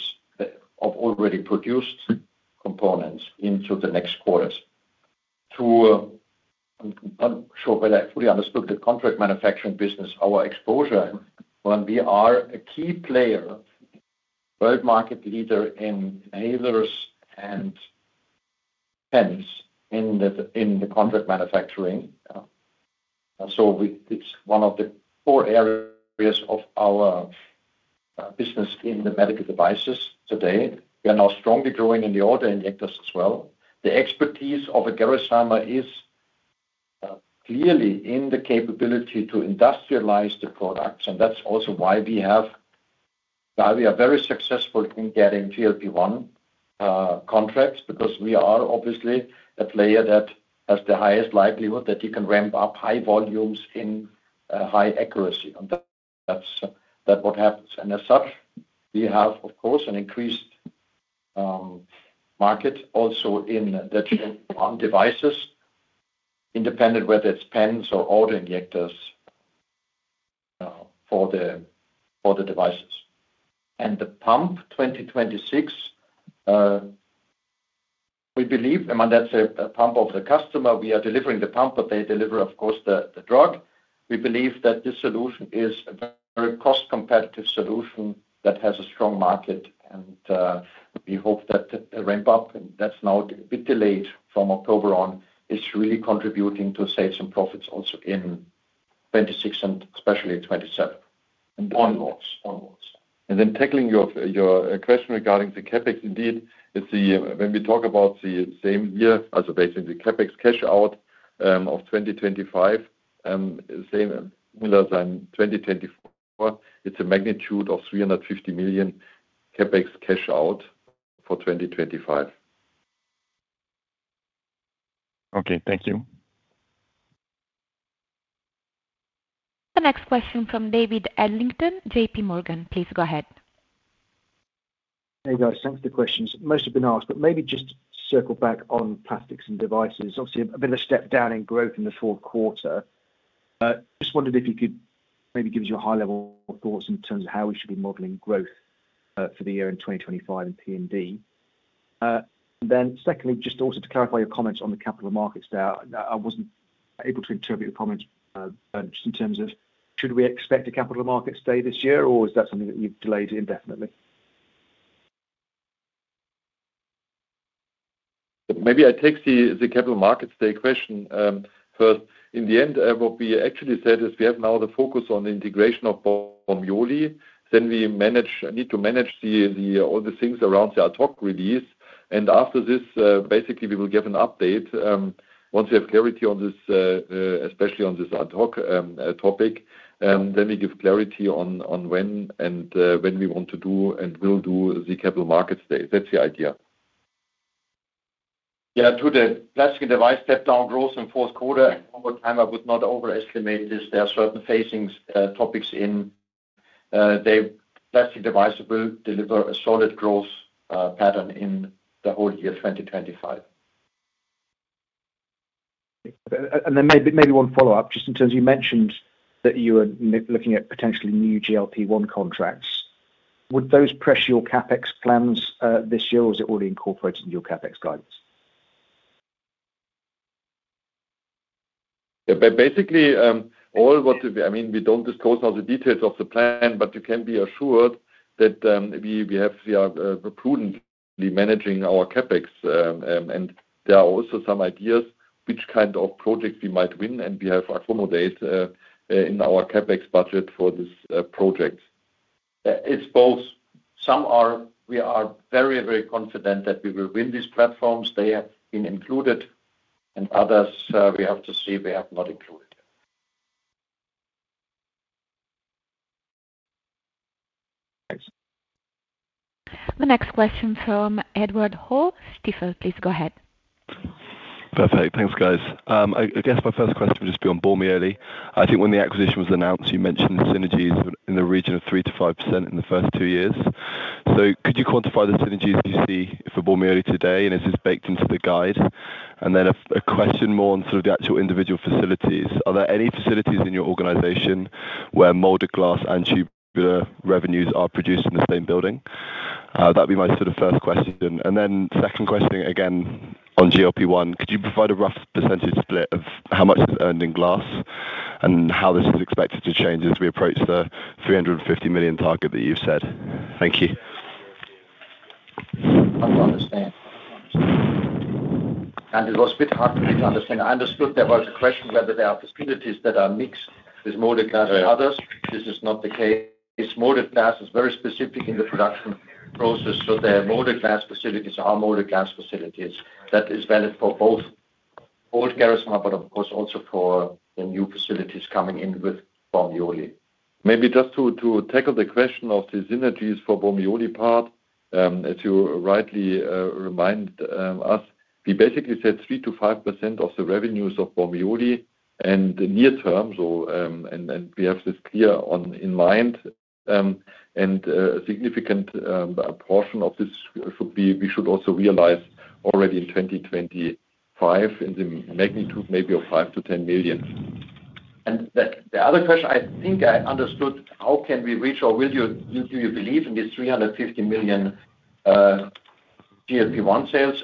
of already produced components into the next quarters. I'm not sure whether I fully understood the contract manufacturing business, our exposure when we are a key player, world market leader in inhalers and pens in the contract manufacturing, so it's one of the four areas of our business in the medical devices today. We are now strongly growing in the autoinjectors as well. The expertise of Gerresheimer is clearly in the capability to industrialize the products, and that's also why we are very successful in getting GLP-1 contracts, because we are obviously a player that has the highest likelihood that you can ramp up high volumes in high accuracy. That's what happens. And as such, we have, of course, an increased market also in the GLP-1 devices, independent whether it's pens or auto injectors for the devices. And the pump 2026, we believe, and that's a pump of the customer. We are delivering the pump, but they deliver, of course, the drug. We believe that this solution is a very cost-competitive solution that has a strong market. And we hope that the ramp-up, that's now a bit delayed from October on, is really contributing to sales and profits also in 2026 and especially 2027. And then tackling your question regarding the CapEx, indeed, when we talk about the same year, also basically CapEx cash out of 2025, same as in 2024, it's a magnitude of 350 million CapEx cash out for 2025. Okay. Thank you. The next question from David Adlington, JP Morgan. Please go ahead. Hey, guys. Thanks for the questions. Most have been asked, but maybe just to circle back on plastics and devices. Obviously, a bit of a step down in growth in the fourth quarter. Just wondered if you could maybe give us your high-level thoughts in terms of how we should be modeling growth for the year in 2025 in P&D. And then secondly, just also to clarify your comments on the capital markets there. I wasn't able to interpret your comments, Bernd, just in terms of should we expect a capital markets day this year, or is that something that you've delayed indefinitely? Maybe I take the capital markets day question first. In the end, what we actually said is we have now the focus on the integration of Bormioli. Then we need to manage all the things around the ad hoc release. And after this, basically, we will give an update. Once we have clarity on this, especially on this ad hoc topic, then we give clarity on when and when we want to do and will do the capital markets day. That's the idea. Yeah. To the plastic and device step-down growth in fourth quarter, and one more time, I would not overestimate this. There are certain phasing topics in the plastic device will deliver a solid growth pattern in the whole year 2025. And then maybe one follow-up, just in terms of you mentioned that you were looking at potentially new GLP-1 contracts. Would those press your CapEx plans this year, or is it already incorporated in your CapEx guidance? Basically, all what I mean, we don't disclose all the details of the plan, but you can be assured that we are prudently managing our CapEx. There are also some ideas which kind of projects we might win and we have accommodated in our CapEx budget for this project. It's both. Some, we are very, very confident that we will win these platforms. They have been included. And others, we have to see. We have not included. Thanks. The next question from Edward Hall. Stifel, please go ahead. Perfect. Thanks, guys. I guess my first question would just be on Bormioli. I think when the acquisition was announced, you mentioned synergies in the region of 3%-5% in the first two years. So could you quantify the synergies you see for Bormioli today, and is this baked into the guide? Then a question more on sort of the actual individual facilities. Are there any facilities in your organization where molded glass and tubular revenues are produced in the same building? That would be my sort of first question. And then second question, again, on GLP-1, could you provide a rough percentage split of how much is earned in glass and how this is expected to change as we approach the 350 million target that you've said? Thank you. I understand. And it was a bit hard for me to understand. I understood there was a question whether there are facilities that are mixed with molded glass and others. This is not the case. Molded glass is very specific in the production process. So the molded glass facilities are molded glass facilities. That is valid for both old Gerresheimer, but of course, also for the new facilities coming in with Bormioli. Maybe just to tackle the question of the synergies for Bormioli part, as you rightly remind us, we basically said 3%-5% of the revenues of Bormioli and near-term, and we have this clear in mind. And a significant portion of this we should also realize already in 2025 in the magnitude maybe of 5 million-10 million. And the other question, I think I understood, how can we reach or will you believe in this 350 million GLP-1 sales?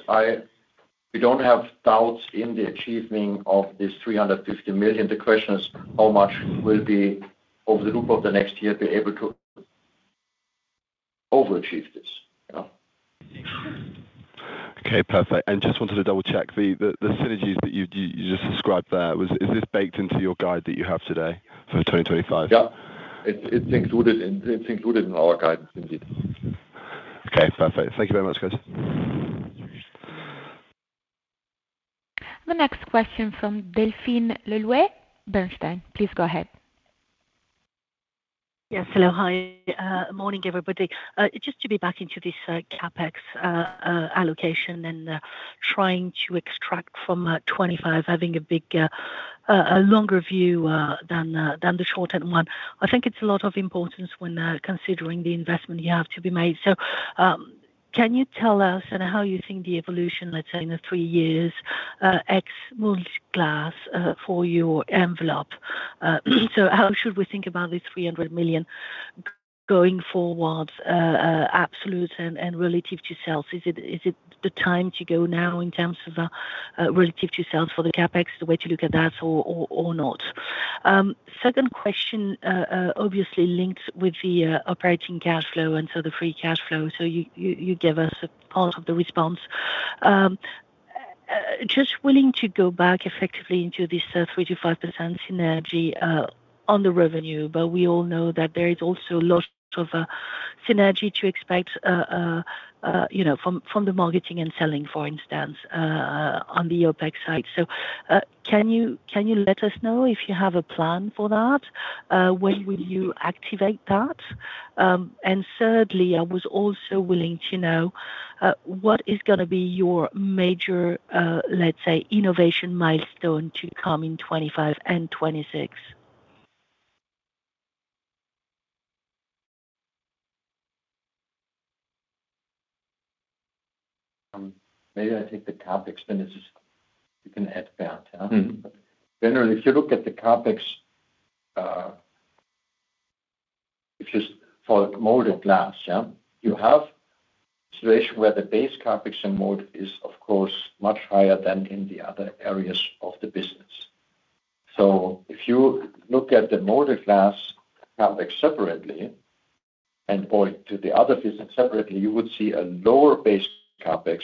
We don't have doubts in the achieving of this 350 million. The question is how much will be over the loop of the next year to be able to overachieve this? Okay. Perfect. And just wanted to double-check the synergies that you just described there. Is this baked into your guide that you have today for 2025? Yeah. It's included in our guidance indeed. Okay. Perfect. Thank you very much, guys. The next question from Delphine Le Louët, Bernstein. Please go ahead. Yes. Hello. Hi. Morning, everybody. Just to be back into this CapEx allocation and trying to extract from 25, having a longer view than the short-term one. I think it's a lot of importance when considering the investment you have to be made. So can you tell us how you think the evolution, let's say, in the three years, ex-molded glass for your revenue? So how should we think about this 300 million going forward, absolute and relative to sales? Is it the time to go now in terms of relative to sales for the CapEx, the way to look at that, or not? Second question, obviously linked with the operating cash flow and so the free cash flow. So you gave us part of the response. Just willing to go back effectively into this 3%-5% synergy on the revenue, but we all know that there is also a lot of synergy to expect from the marketing and selling, for instance, on the OpEx side. So can you let us know if you have a plan for that? When will you activate that? And thirdly, I was also willing to know what is going to be your major, let's say, innovation milestone to come in 2025 and 2026? Maybe I take the CapEx then it's just you can add that. Generally, if you look at the CapEx, it's just for molded glass. You have a situation where the base CapEx and mold is, of course, much higher than in the other areas of the business. So if you look at the molded glass CapEx separately and or to the other business separately, you would see a lower base CapEx.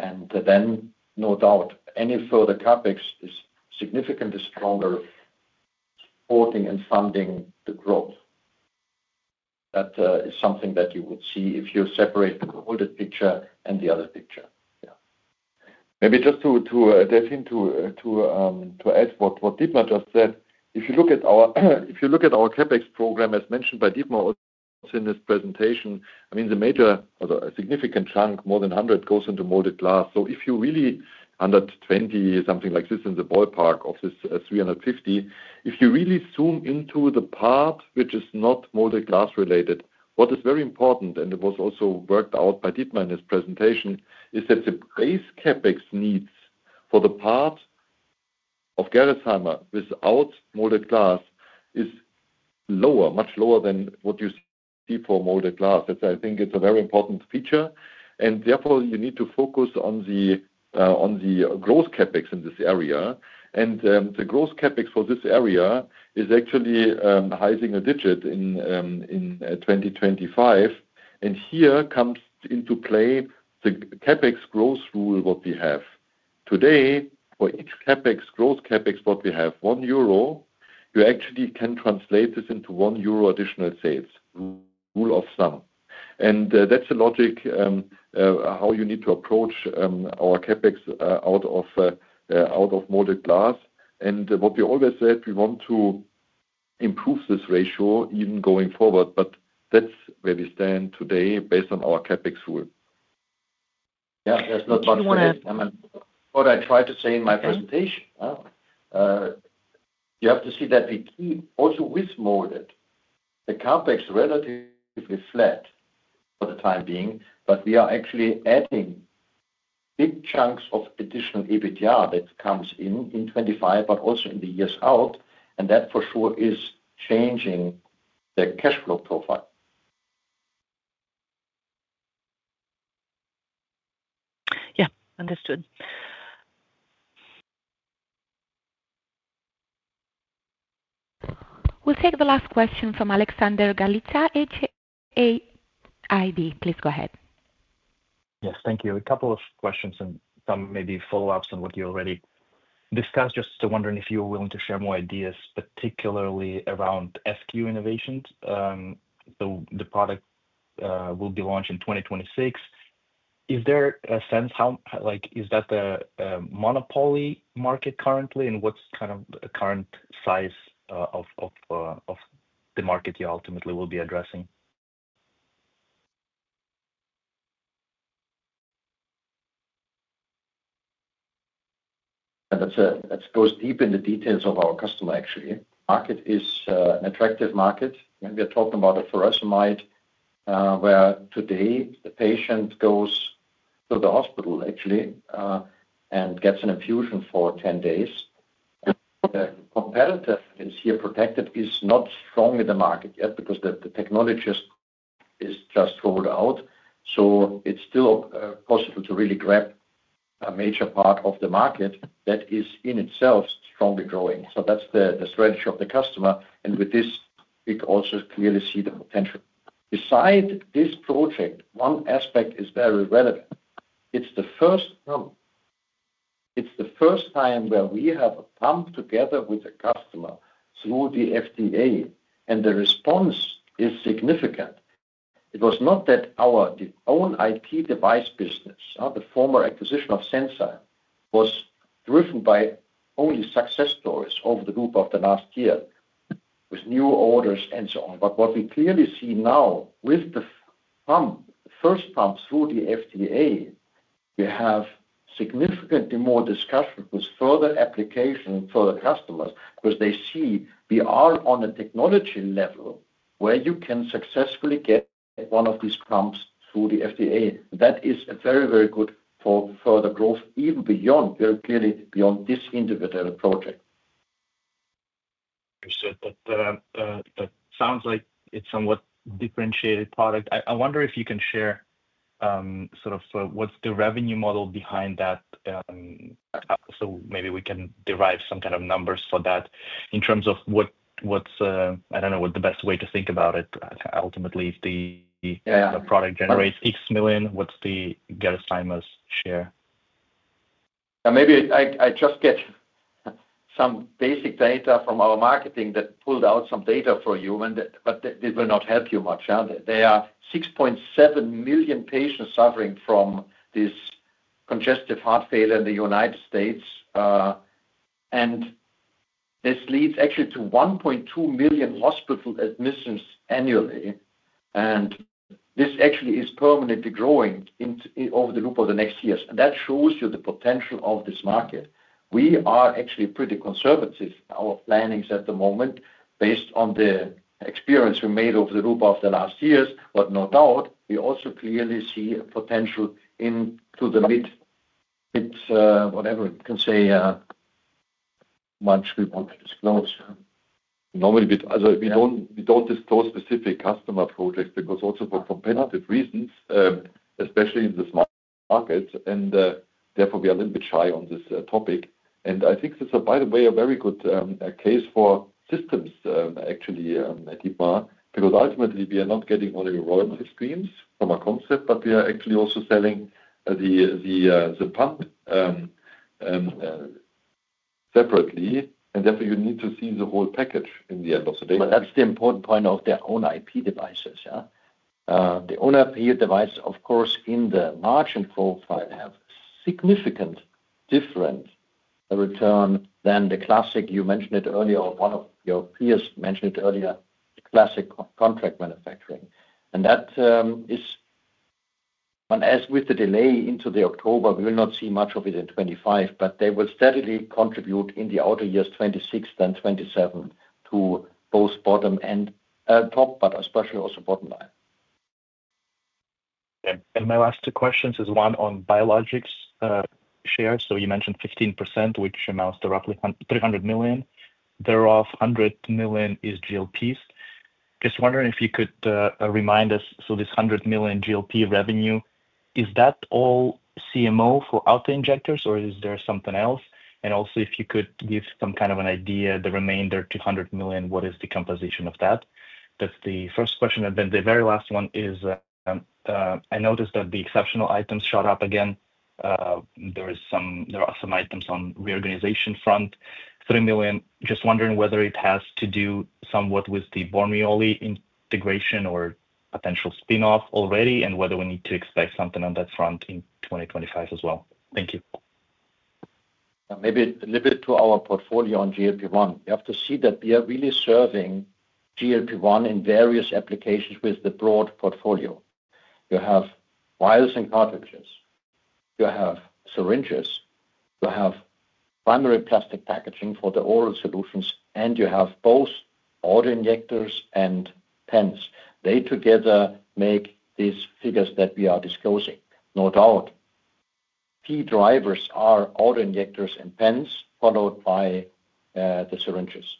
And then no doubt, any further CapEx is significantly stronger supporting and funding the growth. That is something that you would see if you separate the molded picture and the other picture. Yeah. Maybe just to add to what Dietmar just said, if you look at our CapEx program, as mentioned by Dietmar also in this presentation, I mean, the major or significant chunk, more than 100, goes into molded glass. So if you really 120, something like this in the ballpark of this 350, if you really zoom into the part which is not molded glass related, what is very important and it was also worked out by Dietmar in his presentation is that the base CapEx needs for the part of Gerresheimer without molded glass is lower, much lower than what you see for molded glass. I think it's a very important feature. Therefore, you need to focus on the gross CapEx in this area. The gross CapEx for this area is actually hiking a digit in 2025. Here comes into play the CapEx growth rule what we have. Today, for each CapEx gross CapEx what we have, 1 euro, you actually can translate this into 1 euro additional sales, rule of thumb. That's the logic how you need to approach our CapEx out of molded glass. What we always said, we want to improve this ratio even going forward, but that's where we stand today based on our CapEx rule. Yeah. There's not much there. What I tried to say in my presentation, you have to see that we keep also with molded, the CapEx relatively flat for the time being, but we are actually adding big chunks of additional EBITDA that comes in in 2025, but also in the years out. That for sure is changing the cash flow profile. Yeah. Understood. We'll take the last question from Alexander Galiza, Hauck Aufhäuser Investment Banking. Please go ahead. Yes. Thank you. A couple of questions and some maybe follow-ups on what you already discussed. Just wondering if you're willing to share more ideas, particularly around SQ Innovation. So the product will be launched in 2026. Is there a sense of how the monopoly market is currently? And what's kind of the current size of the market you ultimately will be addressing? That goes deep into the details of our customer, actually. The market is an attractive market. We are talking about furosemide, where today the patient goes to the hospital, actually, and gets an infusion for 10 days. The competitive protection is not strong in the market yet because the technology is just rolled out. So it's still possible to really grab a major part of the market that is in itself strongly growing. So that's the strategy of the customer. And with this, we can also clearly see the potential. Besides this project, one aspect is very relevant. It's the first time where we have a pump together with a customer through the FDA, and the response is significant. It was not that our own IT device business, the former acquisition of Sensile Medical, was driven by only success stories over the loop of the last year with new orders and so on. But what we clearly see now with the first pump through the FDA, we have significantly more discussions with further applications for the customers because they see we are on a technology level where you can successfully get one of these pumps through the FDA. That is very, very good for further growth, even beyond, very clearly beyond this individual project. Understood. But that sounds like it's somewhat differentiated product. I wonder if you can share sort of what's the revenue model behind that? So maybe we can derive some kind of numbers for that in terms of what's, I don't know, what the best way to think about it. Ultimately, if the product generates X million, what's the Gerresheimer's share? Maybe I just get some basic data from our marketing that pulled out some data for you, but it will not help you much. There are 6.7 million patients suffering from this Congestive Heart Failure in the United States. And this leads actually to 1.2 million hospital admissions annually. And this actually is permanently growing over the loop of the next years. And that shows you the potential of this market. We are actually pretty conservative in our plannings at the moment based on the experience we made over the loop of the last years. But no doubt, we also clearly see a potential into the mid whatever you can say, much we want to disclose. Normally, we don't disclose specific customer projects because also for competitive reasons, especially in this market. And therefore, we are a little bit shy on this topic. And I think this is, by the way, a very good case for systems, actually, Dietmar, because ultimately, we are not getting only royalty schemes from a concept, but we are actually also selling the pump separately. And therefore, you need to see the whole package in the end of the day. But that's the important point of the own IP devices. The own IP device, of course, in the margin profile have a significant different return than the classic you mentioned it earlier or one of your peers mentioned it earlier, classic contract manufacturing. And that is, as with the delay into the October, we will not see much of it in 2025, but they will steadily contribute in the outer years, 2026 then 2027, to both bottom and top, but especially also bottom line. And my last two questions is one on biologics shares. So you mentioned 15%, which amounts to roughly 300 million. Thereof, 100 million is GLPs. Just wondering if you could remind us, so this 100 million GLP revenue, is that all CMO for auto injectors, or is there something else? And also, if you could give some kind of an idea, the remainder 200 million, what is the composition of that? That's the first question. And then the very last one is I noticed that the exceptional items shot up again. There are some items on reorganization front, 3 million. Just wondering whether it has to do somewhat with the Bormioli integration or potential spinoff already, and whether we need to expect something on that front in 2025 as well. Thank you. Maybe a little bit to our portfolio on GLP-1. You have to see that we are really serving GLP-1 in various applications with the broad portfolio. You have vials and cartridges. You have syringes. You have primary plastic packaging for the oral solutions, and you have both autoinjectors and pens. They together make these figures that we are disclosing. No doubt, key drivers are autoinjectors and pens, followed by the syringes.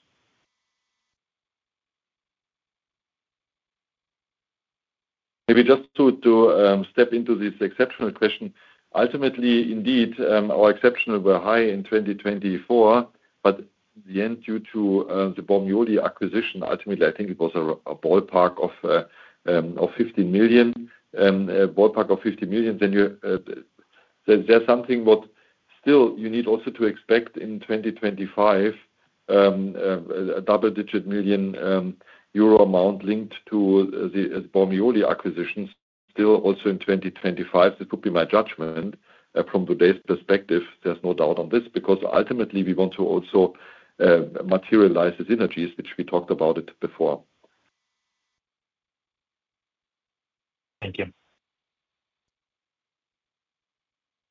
Maybe just to step into this exceptional question. Ultimately, indeed, our exceptional were high in 2024, but in the end, due to the Bormioli acquisition, ultimately, I think it was a ballpark of 15 million, ballpark of 15 million. There's something what still you need also to expect in 2025, a double-digit million EUR amount linked to the Bormioli acquisitions, still also in 2025. This would be my judgment from today's perspective. There's no doubt on this because ultimately, we want to also materialize the synergies, which we talked about it before. Thank you.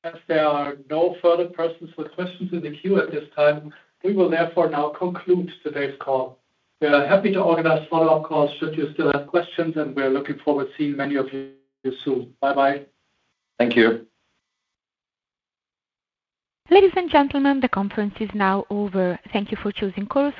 As there are no further persons with questions in the queue at this time, we will therefore now conclude today's call. We are happy to organize follow-up calls should you still have questions, and we are looking forward to seeing many of you soon. Bye-bye. Thank you. Ladies and gentlemen, the conference is now over. Thank you for choosing Cole.